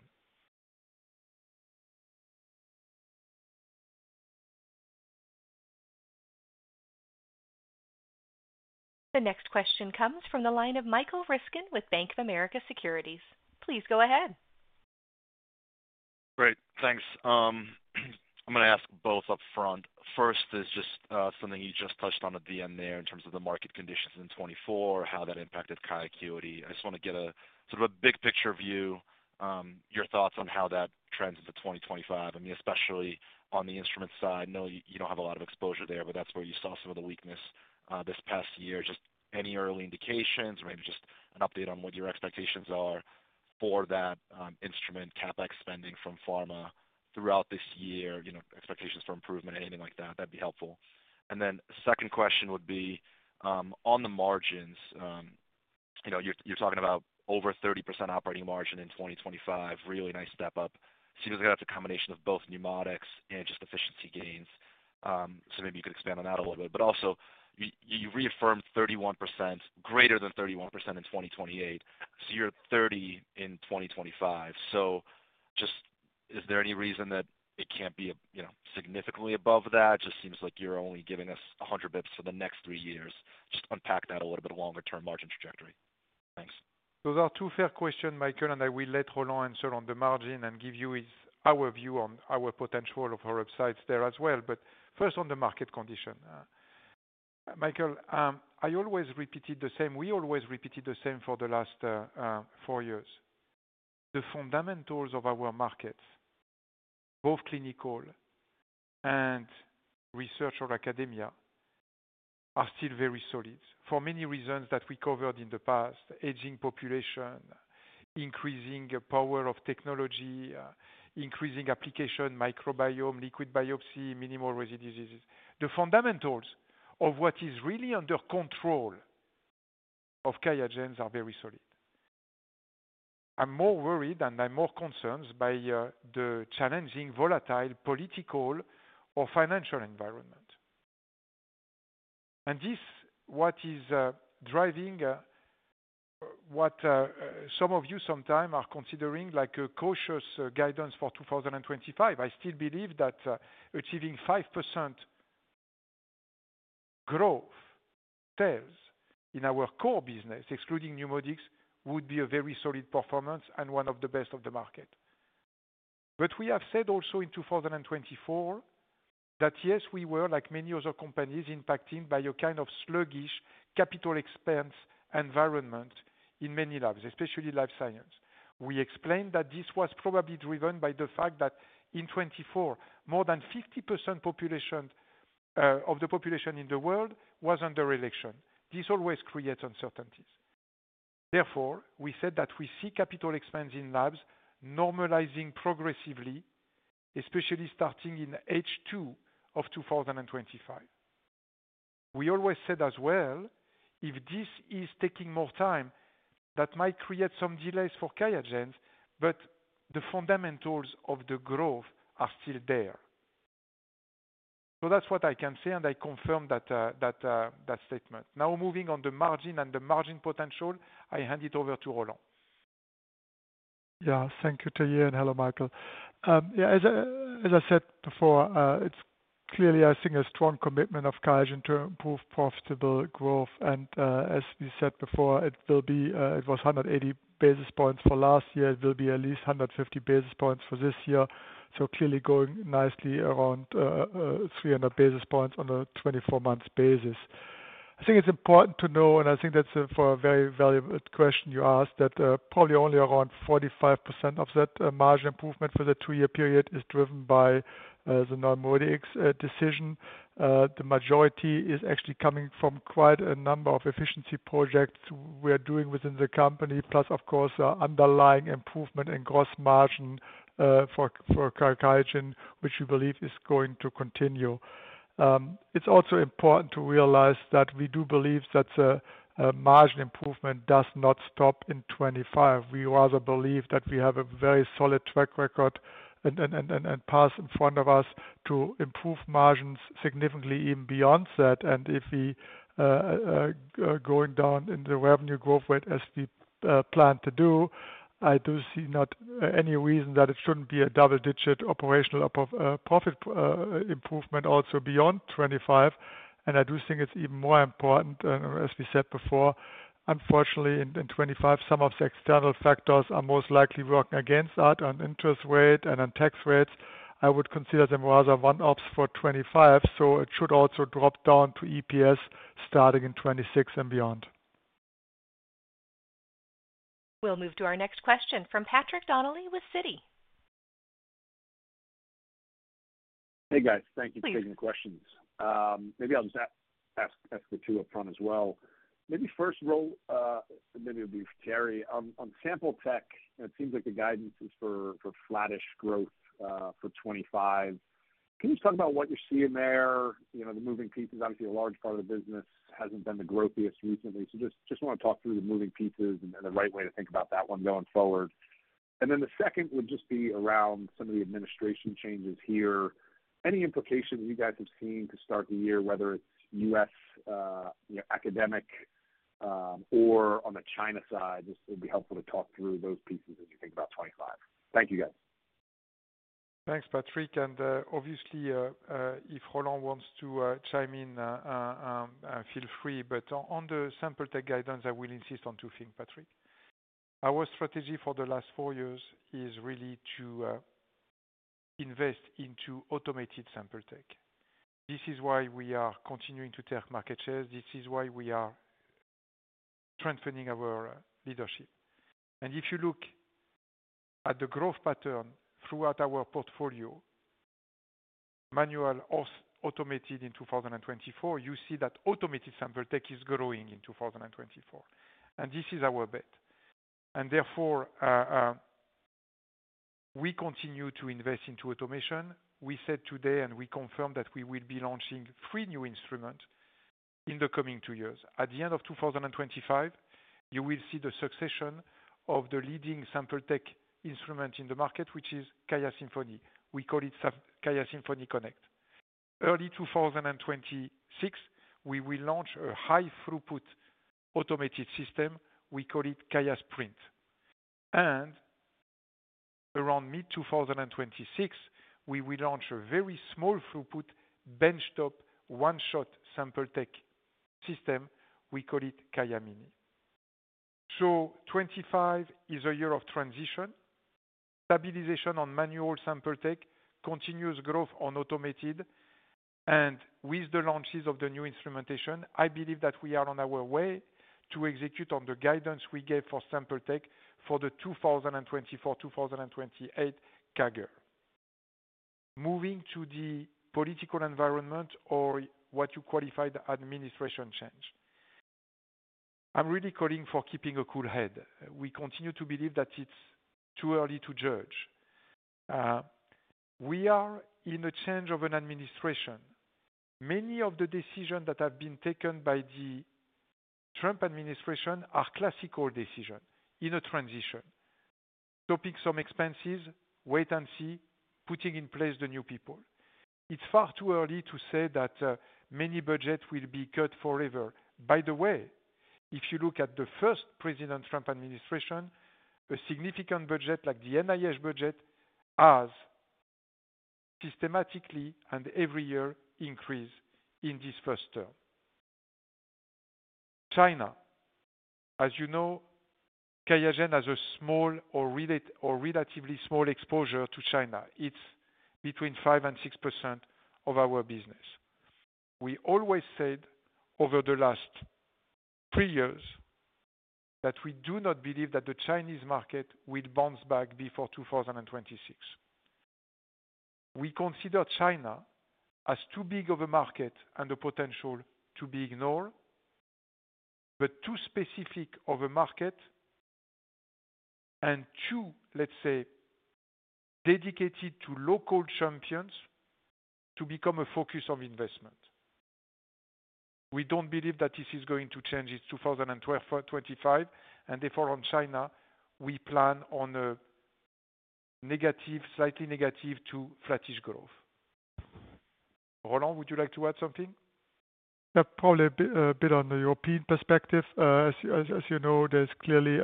The next question comes from the line of Michael Ryskin with Bank of America Securities. Please go ahead. Great. Thanks. I'm going to ask both upfront. First is just something you just touched on at the end there in terms of the market conditions in 2024, how that impacted QIAcuity. I just want to get a sort of a big-picture view, your thoughts on how that trends into 2025, I mean, especially on the instrument side. I know you don't have a lot of exposure there, but that's where you saw some of the weakness this past year. Just any early indications or maybe just an update on what your expectations are for that instrument CapEx spending from pharma throughout this year, expectations for improvement, anything like that. That'd be helpful. And then second question would be on the margins. You're talking about over 30% operating margin in 2025, really nice step up. Seems like that's a combination of both NeuMoDx and just efficiency gains. So maybe you could expand on that a little bit. But also, you reaffirmed 31%, greater than 31% in 2028. So you're 30% in 2025. So just, is there any reason that it can't be significantly above that? It just seems like you're only giving us 100 basis points for the next three years. Just unpack that a little bit longer-term margin trajectory. Thanks. Those are two fair questions, Michael, and I will let Roland answer on the margin and give you our view on our potential of our upsides there as well. But first, on the market condition. Michael, I always repeated the same; we always repeated the same for the last four years. The fundamentals of our markets, both clinical and research or academia, are still very solid for many reasons that we covered in the past: aging population, increasing power of technology, increasing application microbiome, liquid biopsy, minimal residual disease. The fundamentals of what is really under control of QIAGEN's are very solid. I'm more worried and I'm more concerned by the challenging volatile political or financial environment, and this is what is driving what some of you sometimes are considering like a cautious guidance for 2025. I still believe that achieving 5% growth sales in our core business, excluding NeuMoDx, would be a very solid performance and one of the best of the market, but we have said also in 2024 that, yes, we were, like many other companies, impacted by a kind of sluggish capital expense environment in many labs, especially life science. We explained that this was probably driven by the fact that in 2024, more than 50% of the population in the world was under election. This always creates uncertainties. Therefore, we said that we see capital expense in labs normalizing progressively, especially starting in H2 of 2025. We always said as well, if this is taking more time, that might create some delays for QIAGEN's, but the fundamentals of the growth are still there. So that's what I can say, and I confirm that statement. Now, moving on the margin and the margin potential, I hand it over to Roland. Yeah, thank you, Thierry. And hello, Michael. Yeah, as I said before, it's clearly, I think, a strong commitment of QIAGEN to improve profitable growth. And as we said before, it was 180 basis points for last year. It will be at least 150 basis points for this year. So clearly going nicely around 300 basis points on a 24-month basis. I think it's important to know, and I think that's for a very valuable question you asked, that probably only around 45% of that margin improvement for the two-year period is driven by the normal decision. The majority is actually coming from quite a number of efficiency projects we are doing within the company, plus, of course, underlying improvement in gross margin for QIAGEN, which we believe is going to continue. It's also important to realize that we do believe that margin improvement does not stop in 2025. We rather believe that we have a very solid track record and path in front of us to improve margins significantly even beyond that, and if we are going down in the revenue growth rate as we plan to do, I do see not any reason that it shouldn't be a double-digit operational profit improvement also beyond 2025. And I do think it's even more important, as we said before. Unfortunately, in 2025, some of the external factors are most likely working against that on interest rate and on tax rates. I would consider them rather one-offs for 2025, so it should also drop down to EPS starting in 2026 and beyond. We'll move to our next question from Patrick Donnelly with Citi. Hey, guys. Thank you for taking the questions. Maybe I'll just ask the two upfront as well. Maybe first, Roland, maybe it'll be for Terry. On Sample Tech, it seems like the guidance is for flattish growth for 2025. Can you talk about what you're seeing there? The moving pieces, obviously, a large part of the business hasn't been the growthiest recently, so just want to talk through the moving pieces and the right way to think about that one going forward, and then the second would just be around some of the administration changes here. Any implications you guys have seen to start the year, whether it's U.S. academic or on the China side? It would be helpful to talk through those pieces as you think about 2025. Thank you, guys. Thanks, Patrick. And obviously, if Roland wants to chime in, feel free. But on the Sample Tech guidance, I will insist on two things, Patrick. Our strategy for the last four years is really to invest into automated Sample Tech. This is why we are continuing to take market shares. This is why we are strengthening our leadership. And if you look at the growth pattern throughout our portfolio, manual or automated in 2024, you see that automated Sample Tech is growing in 2024. And this is our bet. And therefore, we continue to invest into automation. We said today, and we confirmed that we will be launching three new instruments in the coming two years. At the end of 2025, you will see the succession of the leading Sample Tech instrument in the market, which is QIAsymphony. We call it QIAsymphony Connect. Early 2026, we will launch a high-throughput automated system. We call it QIAsprint. And around mid-2026, we will launch a very small-throughput benchtop one-shot Sample Tech system. We call it QIAm ini. So 2025 is a year of transition, stabilization on manual Sample Tech, continuous growth on automated. And with the launches of the new instrumentation, I believe that we are on our way to execute on the guidance we gave for Sample Tech for the 2024-2028 CAGR. Moving to the political environment or what you qualified administration change. I'm really calling for keeping a cool head. We continue to believe that it's too early to judge. We are in a change of an administration. Many of the decisions that have been taken by the Trump administration are classical decisions in a transition, stopping some expenses, wait and see, putting in place the new people. It's far too early to say that many budgets will be cut forever. By the way, if you look at the first President Trump administration, a significant budget like the NIH budget has systematically and every year increased in this first term. China, as you know, QIAGEN has a small or relatively small exposure to China. It's between 5% and 6% of our business. We always said over the last three years that we do not believe that the Chinese market will bounce back before 2026. We consider China as too big of a market and a potential to be ignored, but too specific of a market and too, let's say, dedicated to local champions to become a focus of investment. We don't believe that this is going to change in 2025. And therefore, on China, we plan on a negative, slightly negative to flattish growth. Roland, would you like to add something? Probably a bit on the European perspective. As you know, there's clearly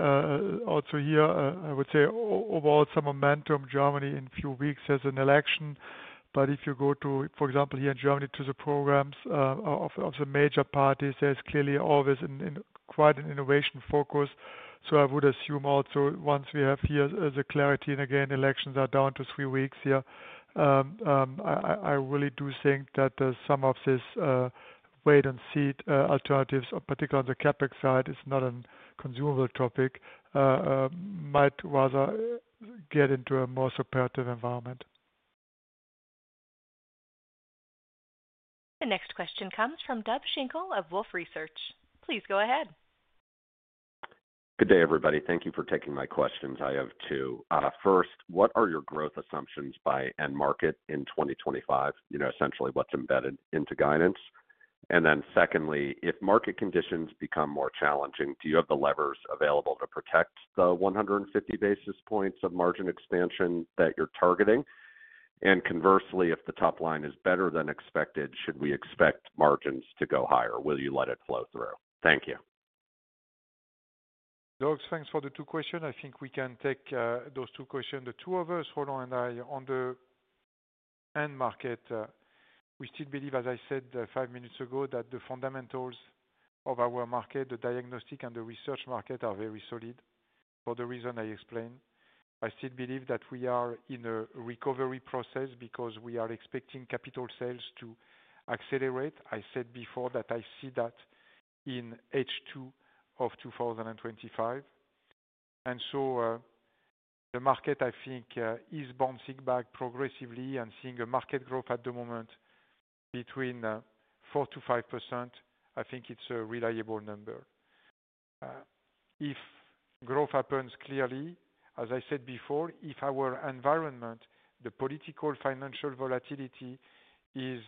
also here, I would say, overall some momentum. Germany in a few weeks has an election. But if you go to, for example, here in Germany, to the programs of the major parties, there's clearly always quite an innovation focus. So I would assume also once we have here the clarity, and again, elections are down to three weeks here, I really do think that some of these wait-and-see alternatives, particularly on the CapEx side, is not a consumable topic, might rather get into a more supportive environment. The next question comes from Doug Schenkel of Wolfe Research. Please go ahead. Good day, everybody. Thank you for taking my questions. I have two. First, what are your growth assumptions by end market in 2025? Essentially, what's embedded into guidance? And then secondly, if market conditions become more challenging, do you have the levers available to protect the 150 basis points of margin expansion that you're targeting? And conversely, if the top line is better than expected, should we expect margins to go higher? Will you let it flow through? Thank you. Doug, thanks for the two questions. I think we can take those two questions. The two of us, Roland and I, on the end market, we still believe, as I said five minutes ago, that the fundamentals of our market, the diagnostic and the research market, are very solid for the reason I explained. I still believe that we are in a recovery process because we are expecting capital sales to accelerate. I said before that I see that in H2 of 2025, and so the market, I think, is bouncing back progressively and seeing a market growth at the moment between 4% to 5%. I think it's a reliable number. If growth happens clearly, as I said before, if our environment, the political financial volatility, is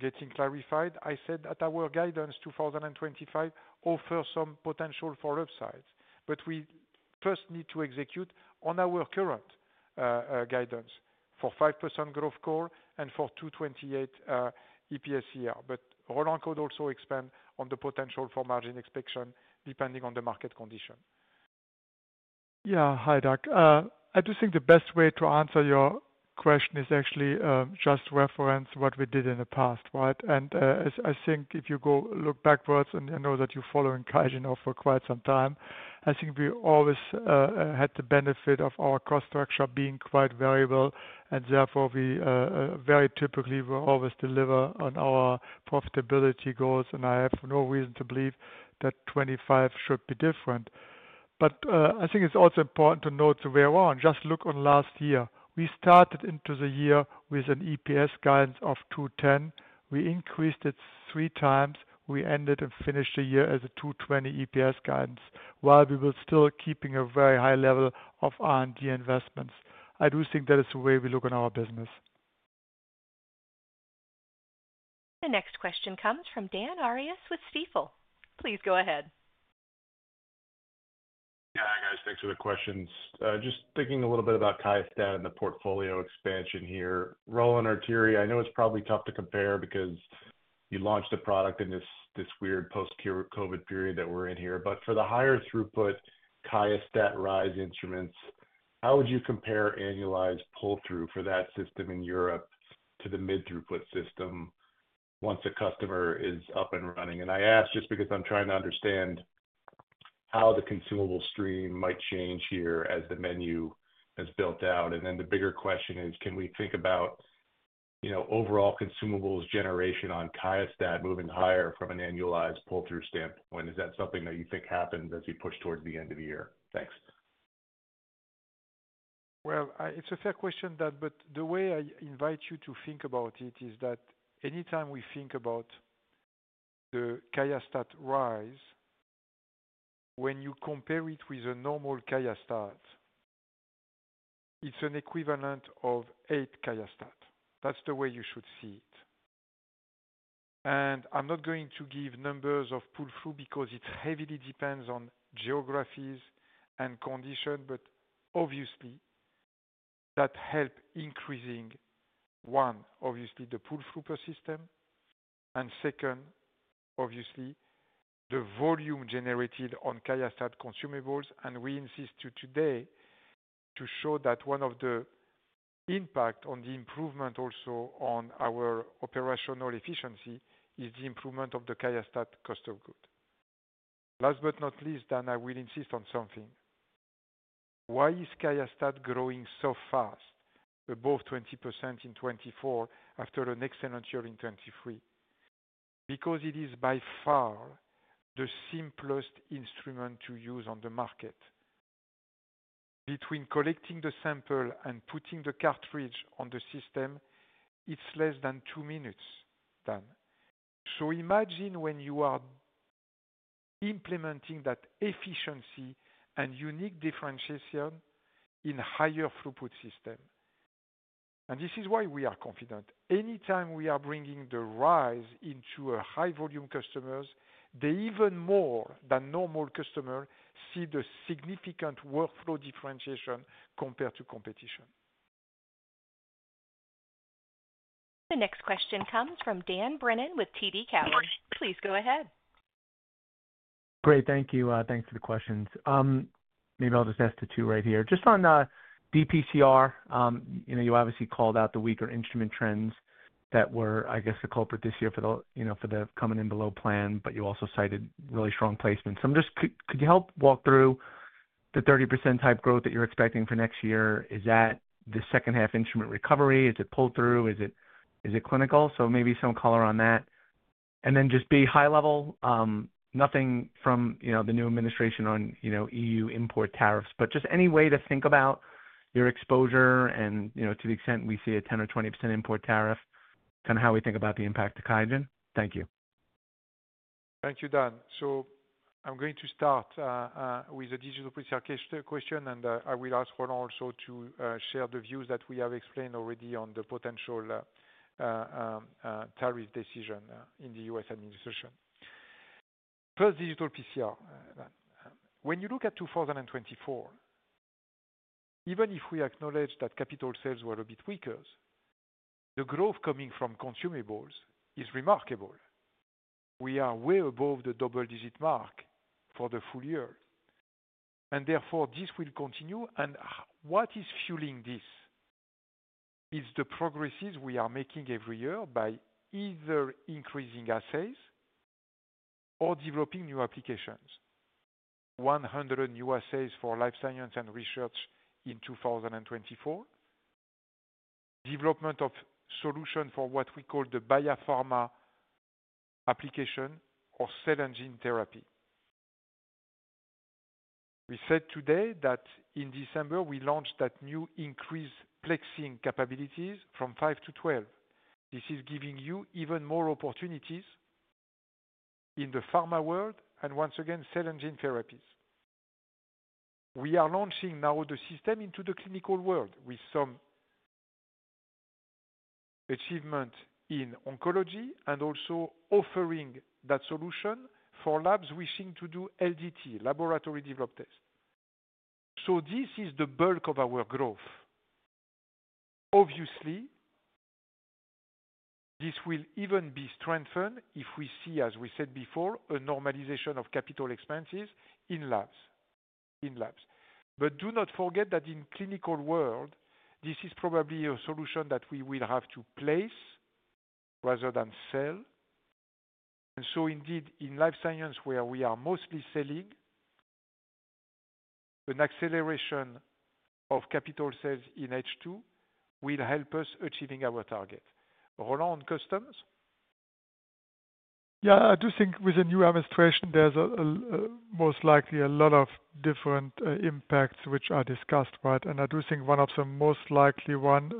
getting clarified, I said that our guidance 2025 offers some potential for upsides. But we first need to execute on our current guidance for 5% core growth and for $2.28 EPS here. But Roland could also expand on the potential for margin expansion depending on the market condition. Yeah, hi, Doug. I do think the best way to answer your question is actually just reference what we did in the past, right? And I think if you go look backwards and I know that you are following QIAGEN for quite some time, I think we always had the benefit of our cost structure being quite variable. And therefore, we very typically will always deliver on our profitability goals. And I have no reason to believe that 2025 should be different. But I think it is also important to note where we are. Just look at last year. We started into the year with an EPS guidance of $2.10. We increased it three times. We ended and finished the year as a $2.20 EPS guidance while we were still keeping a very high level of R&D investments. I do think that is the way we look on our business. The next question comes from Dan Arias with Stifel. Please go ahead. Yeah, guys, thanks for the questions. Just thinking a little bit about QIAstat and the portfolio expansion here. Roland or Thierry, I know it's probably tough to compare because you launched a product in this weird post-COVID period that we're in here. But for the higher throughput QIAstat-Dx Rise instruments, how would you compare annualized pull-through for that system in Europe to the mid-throughput system once a customer is up and running? And I ask just because I'm trying to understand how the consumable stream might change here as the menu has built out. And then the bigger question is, can we think about overall consumables generation on QIAstat moving higher from an annualized pull-through standpoint? Is that something that you think happens as we push towards the end of the year? Thanks. Well, it's a fair question, Doug, but the way I invite you to think about it is that anytime we think about the QIAstat Rise, when you compare it with a normal QIAstat, it's an equivalent of eight QIAstat. That's the way you should see it. And I'm not going to give numbers of pull-through because it heavily depends on geographies and conditions, but obviously, that helps increasing, one, obviously, the pull-through per system, and second, obviously, the volume generated on QIAstat consumables. And we insist today to show that one of the impacts on the improvement also on our operational efficiency is the improvement of the QIAstat cost of goods. Last but not least, and I will insist on something, why is QIAstat growing so fast, above 20% in 2024 after an excellent year in 2023? Because it is by far the simplest instrument to use on the market. Between collecting the sample and putting the cartridge on the system, it's less than two minutes, done. So imagine when you are implementing that efficiency and unique differentiation in a higher throughput system. And this is why we are confident. Anytime we are bringing the RISE into high-volume customers, they even more than normal customers see the significant workflow differentiation compared to competition. The next question comes from Dan Brennan with TD Cowen. Please go ahead. Great. Thank you. Thanks for the questions. Maybe I'll just ask the two right here. Just on dPCR, you obviously called out the weaker instrument trends that were, I guess, the culprit this year for the coming-in-below plan, but you also cited really strong placements. So could you help walk through the 30%-type growth that you're expecting for next year? Is that the second-half instrument recovery? Is it pull-through? Is it clinical? So maybe some color on that. And then just be high-level, nothing from the new administration on EU import tariffs, but just any way to think about your exposure and to the extent we see a 10% or 20% import tariff, kind of how we think about the impact to QIAGEN. Thank you. Thank you, Dan. So I'm going to start with a digital PCR question, and I will ask Roland also to share the views that we have explained already on the potential tariff decision in the U.S. administration. First, digital PCR. When you look at 2024, even if we acknowledge that capital sales were a bit weaker, the growth coming from consumables is remarkable. We are way above the double-digit mark for the full year, and therefore, this will continue, and what is fueling this is the progresses we are making every year by either increasing assays or developing new applications. 100 new assays for life science and research in 2024. Development of solutions for what we call the biopharma application or cell and gene therapy. We said today that in December, we launched that new increased plexing capabilities from 5 to 12. This is giving you even more opportunities in the pharma world and, once again, cell and gene therapies. We are launching now the system into the clinical world with some achievement in oncology and also offering that solution for labs wishing to do LDT, laboratory-developed tests. So this is the bulk of our growth. Obviously, this will even be strengthened if we see, as we said before, a normalization of capital expenses in labs. But do not forget that in the clinical world, this is probably a solution that we will have to place rather than sell. And so indeed, in life science, where we are mostly selling, an acceleration of capital sales in H2 will help us achieving our target. Roland on taxes? Yeah, I do think with the new administration, there's most likely a lot of different impacts which are discussed, right? And I do think one of the most likely ones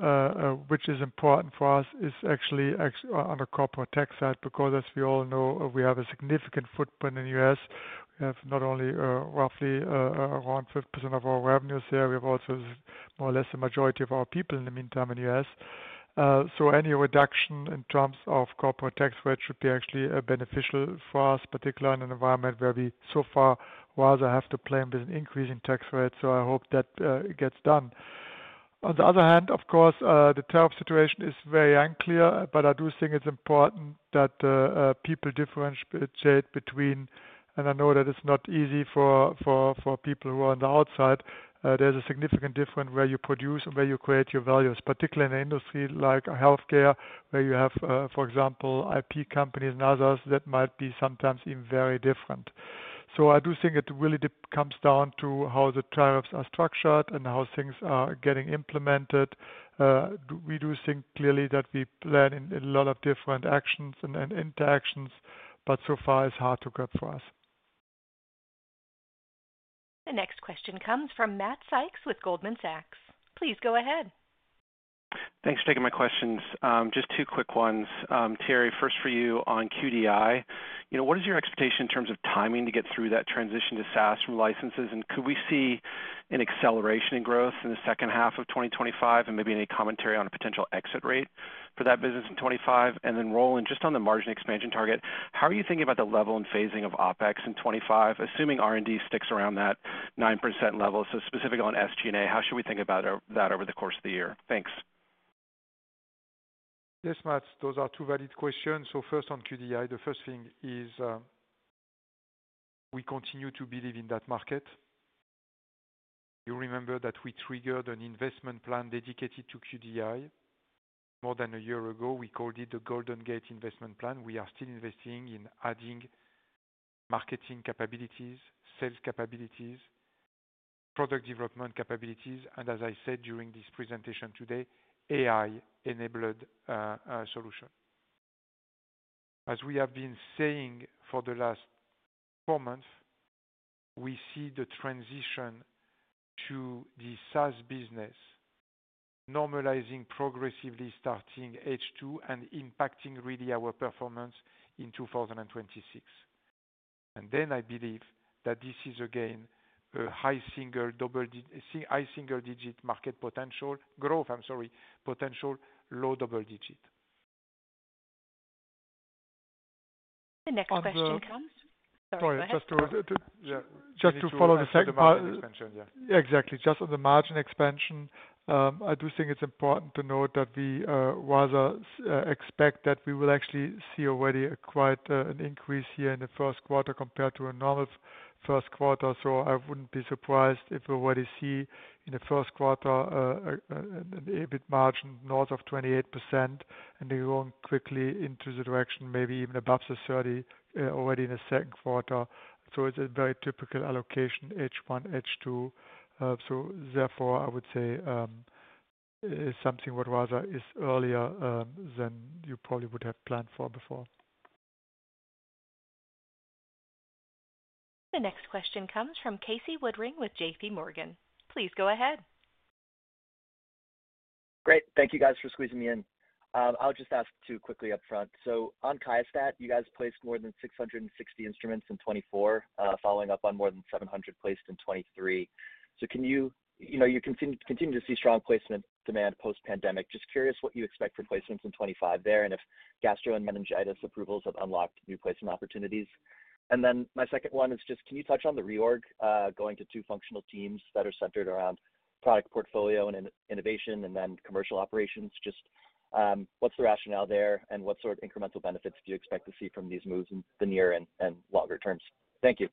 which is important for us is actually on the corporate tax side because, as we all know, we have a significant footprint in the U.S. We have not only roughly around 5% of our revenues there. We have also more or less the majority of our people in the meantime in the U.S. So any reduction in terms of corporate tax rate should be actually beneficial for us, particularly in an environment where we so far rather have to play with an increasing tax rate. So I hope that gets done. On the other hand, of course, the tariff situation is very unclear, but I do think it's important that people differentiate between, and I know that it's not easy for people who are on the outside, there's a significant difference where you produce and where you create your values, particularly in an industry like healthcare, where you have, for example, IP companies and others that might be sometimes even very different. So I do think it really comes down to how the tariffs are structured and how things are getting implemented. We do think clearly that we plan in a lot of different actions and interactions, but so far it's hard to get for us. The next question comes from Matt Sykes with Goldman Sachs. Please go ahead. Thanks for taking my questions. Just two quick ones. Thierry, first for you on QDI. What is your expectation in terms of timing to get through that transition to SaaS from licenses? And could we see an acceleration in growth in the second half of 2025? And maybe any commentary on a potential exit rate for that business in '25? And then Roland, just on the margin expansion target, how are you thinking about the level and phasing of OpEx in '25, assuming R&D sticks around that 9% level? So specifically on SG&A, how should we think about that over the course of the year? Thanks. Yes, Matt. Those are two valid questions. So first on QDI, the first thing is we continue to believe in that market. You remember that we triggered an investment plan dedicated to QDI more than a year ago. We called it the Golden Gate Investment Plan. We are still investing in adding marketing capabilities, sales capabilities, product development capabilities, and as I said during this presentation today, AI-enabled solution. As we have been saying for the last four months, we see the transition to the SaaS business normalizing progressively starting H2 and impacting really our performance in 2026. And then I believe that this is, again, a high single-digit market potential growth, I'm sorry, potential low double-digit. The next question comes. Sorry. Sorry. Just to follow the second. Exactly. Just on the margin expansion, I do think it's important to note that we rather expect that we will actually see already quite an increase here in the first quarter compared to a normal first quarter. So I wouldn't be surprised if we already see in the first quarter an EBIT margin north of 28%, and they go quickly into the direction, maybe even above the 30% already in the second quarter. So it's a very typical allocation, H1, H2. So therefore, I would say it's something what rather is earlier than you probably would have planned for before. The next question comes from Casey Woodring with J.P. Morgan. Please go ahead. Great. Thank you, guys, for squeezing me in. I'll just ask two quickly upfront. So on QIAstat, you guys placed more than 660 instruments in 2024, following up on more than 700 placed in 2023. You continue to see strong placement demand post-pandemic. Just curious what you expect for placements in 2025 there and if gastro and meningitis approvals have unlocked new placement opportunities. And then my second one is just, can you touch on the reorg going to two functional teams that are centered around product portfolio and innovation and then commercial operations? Just what's the rationale there, and what sort of incremental benefits do you expect to see from these moves in the near and longer terms? Thank you.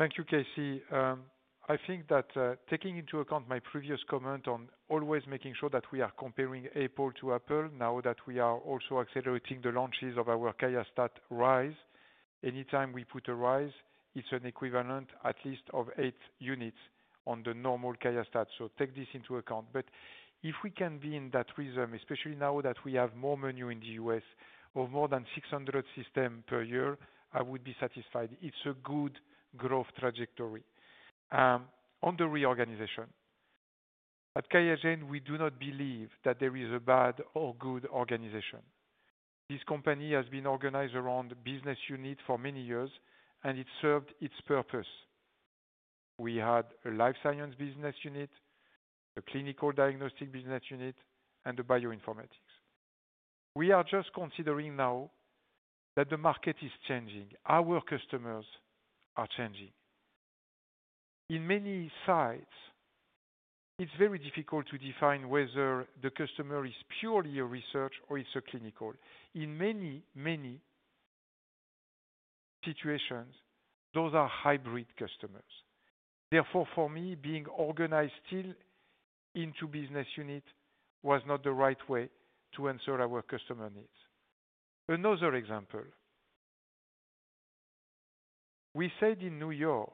Thank you, Casey. I think that taking into account my previous comment on always making sure that we are comparing apples to apples now that we are also accelerating the launches of our QIAstat-Dx Rise, anytime we put a RISE, it's an equivalent at least of eight units on the normal QIAstat-Dx. Take this into account. But if we can be in that rhythm, especially now that we have more momentum in the U.S. of more than 600 systems per year, I would be satisfied. It's a good growth trajectory. On the reorganization, at QIAGEN, we do not believe that there is a bad or good organization. This company has been organized around business unit for many years, and it served its purpose. We had a life science business unit, a clinical diagnostic business unit, and a bioinformatics. We are just considering now that the market is changing. Our customers are changing. In many sites, it's very difficult to define whether the customer is purely a research or it's a clinical. In many, many situations, those are hybrid customers. Therefore, for me, being organized still into business unit was not the right way to answer our customer needs. Another example, we said in New York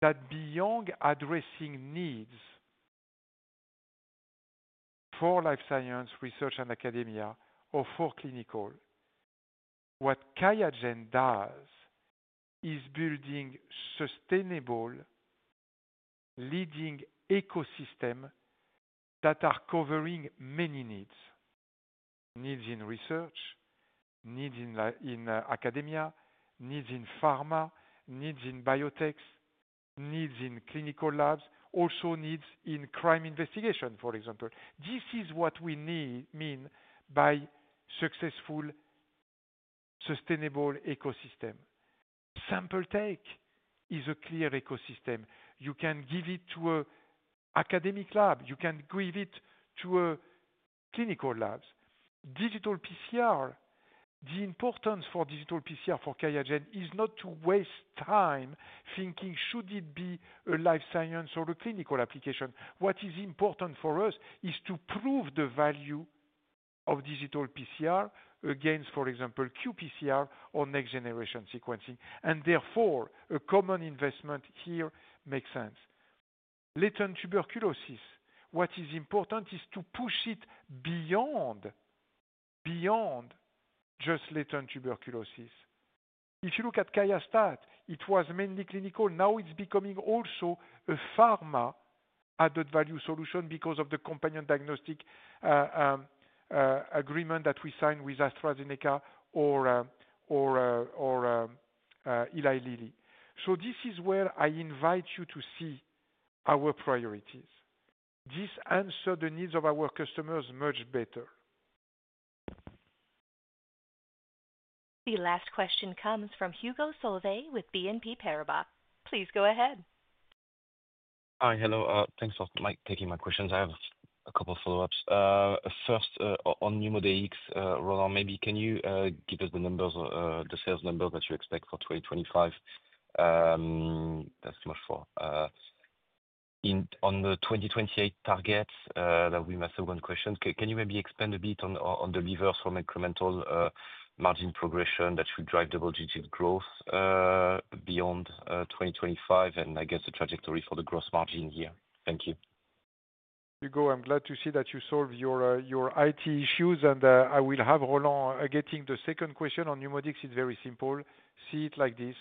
that beyond addressing needs for life science research and academia or for clinical, what QIAGEN does is building sustainable leading ecosystems that are covering many needs: needs in research, needs in academia, needs in pharma, needs in biotech, needs in clinical labs, also needs in crime investigation, for example. This is what we mean by successful sustainable ecosystem. Sample Tech is a clear ecosystem. You can give it to an academic lab. You can give it to clinical labs. Digital PCR, the importance for digital PCR for QIAGEN is not to waste time thinking, should it be a life science or a clinical application? What is important for us is to prove the value of digital PCR against, for example, qPCR or next-generation sequencing. And therefore, a common investment here makes sense. Latent tuberculosis, what is important is to push it beyond just latent tuberculosis. If you look at QIAstat, it was mainly clinical. Now it's becoming also a pharma added value solution because of the companion diagnostic agreement that we signed with AstraZeneca or Eli Lilly. So this is where I invite you to see our priorities. This answers the needs of our customers much better. The last question comes from Hugo Solvet with BNP Paribas. Please go ahead. Hi, hello. Thanks for taking my questions. I have a couple of follow-ups. First, on NeuMoDx, Roland, maybe can you give us the sales numbers that you expect for 2025? On the 2028 targets that we missed. One question, can you maybe expand a bit on the levers from incremental margin progression that should drive double-digit growth beyond 2025? I guess the trajectory for the gross margin here. Thank you. Hugo, I'm glad to see that you solved your IT issues. I will have Roland getting the second question on NeuMoDx. It's very simple. See it like this.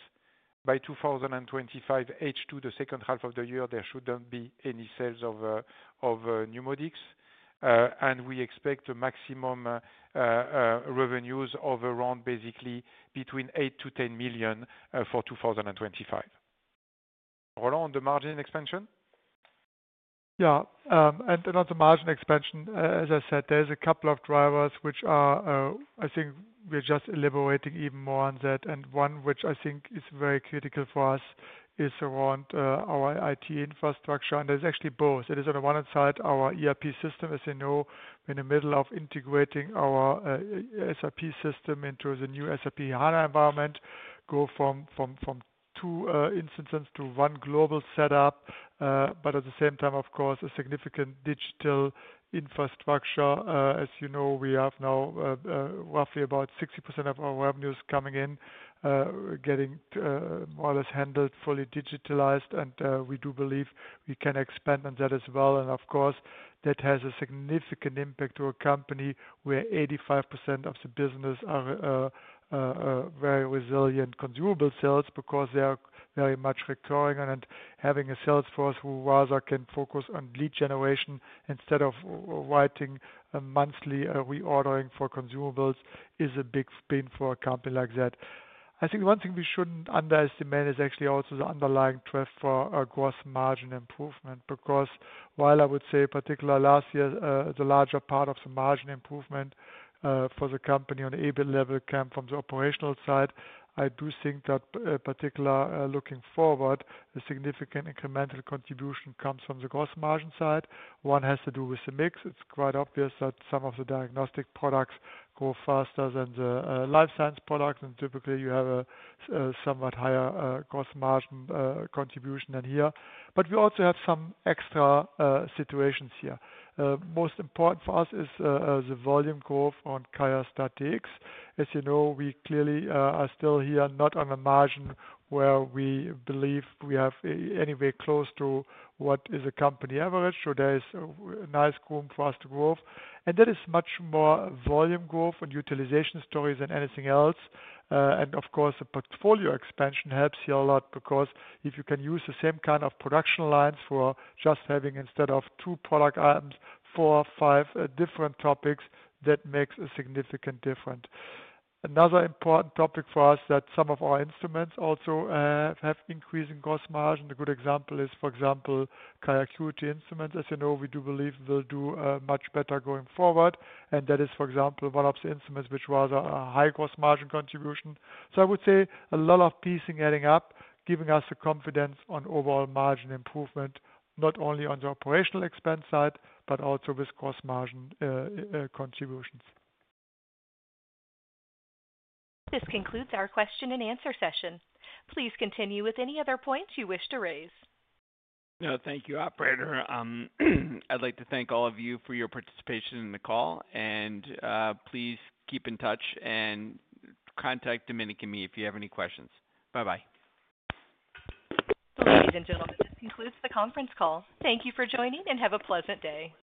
By 2025, H2, the second half of the year, there shouldn't be any sales of NeuMoDx. We expect maximum revenues of around basically between 8 to 10 million for 2025. Roland, the margin expansion? Yeah. On the margin expansion, as I said, there's a couple of drivers which I think we're just elaborating even more on that. One which I think is very critical for us is around our IT infrastructure. There's actually both. It is on the one hand side, our ERP system, as you know, in the middle of integrating our SAP system into the new SAP HANA environment, go from two instances to one global setup. But at the same time, of course, a significant digital infrastructure. As you know, we have now roughly about 60% of our revenues coming in, getting more or less handled, fully digitalized. And we do believe we can expand on that as well. And of course, that has a significant impact to a company where 85% of the business are very resilient consumable sales because they are very much recurring. And having a sales force who rather can focus on lead generation instead of writing a monthly reordering for consumables is a big pain for a company like that. I think one thing we shouldn't underestimate is actually also the underlying drift for gross margin improvement. Because while I would say, particularly last year, the larger part of the margin improvement for the company on the EBIT level came from the operational side, I do think that particularly looking forward, a significant incremental contribution comes from the gross margin side. One has to do with the mix. It's quite obvious that some of the diagnostic products go faster than the life science products. And typically, you have a somewhat higher gross margin contribution than here. But we also have some extra situations here. Most important for us is the volume growth on QIAstat-Dx. As you know, we clearly are still here, not on a margin where we believe we have anywhere close to what is a company average. So there is a nice room for us to grow. That is much more volume growth and utilization stories than anything else. Of course, the portfolio expansion helps here a lot because if you can use the same kind of production lines for just having instead of two product items, four, five different topics, that makes a significant difference. Another important topic for us is that some of our instruments also have increasing gross margin. A good example is, for example, QIAcuity instruments. As you know, we do believe we'll do much better going forward. That is, for example, one of the instruments which rather has a high gross margin contribution. I would say a lot of pieces adding up, giving us the confidence on overall margin improvement, not only on the operational expense side, but also with gross margin contributions. This concludes our question and answer session. Please continue with any other points you wish to raise. Thank you, operator. I'd like to thank all of you for your participation in the call, and please keep in touch and contact Domenica and me if you have any questions. Bye-bye. Thank you, ladies and gentlemen. This concludes the conference call. Thank you for joining and have a pleasant day.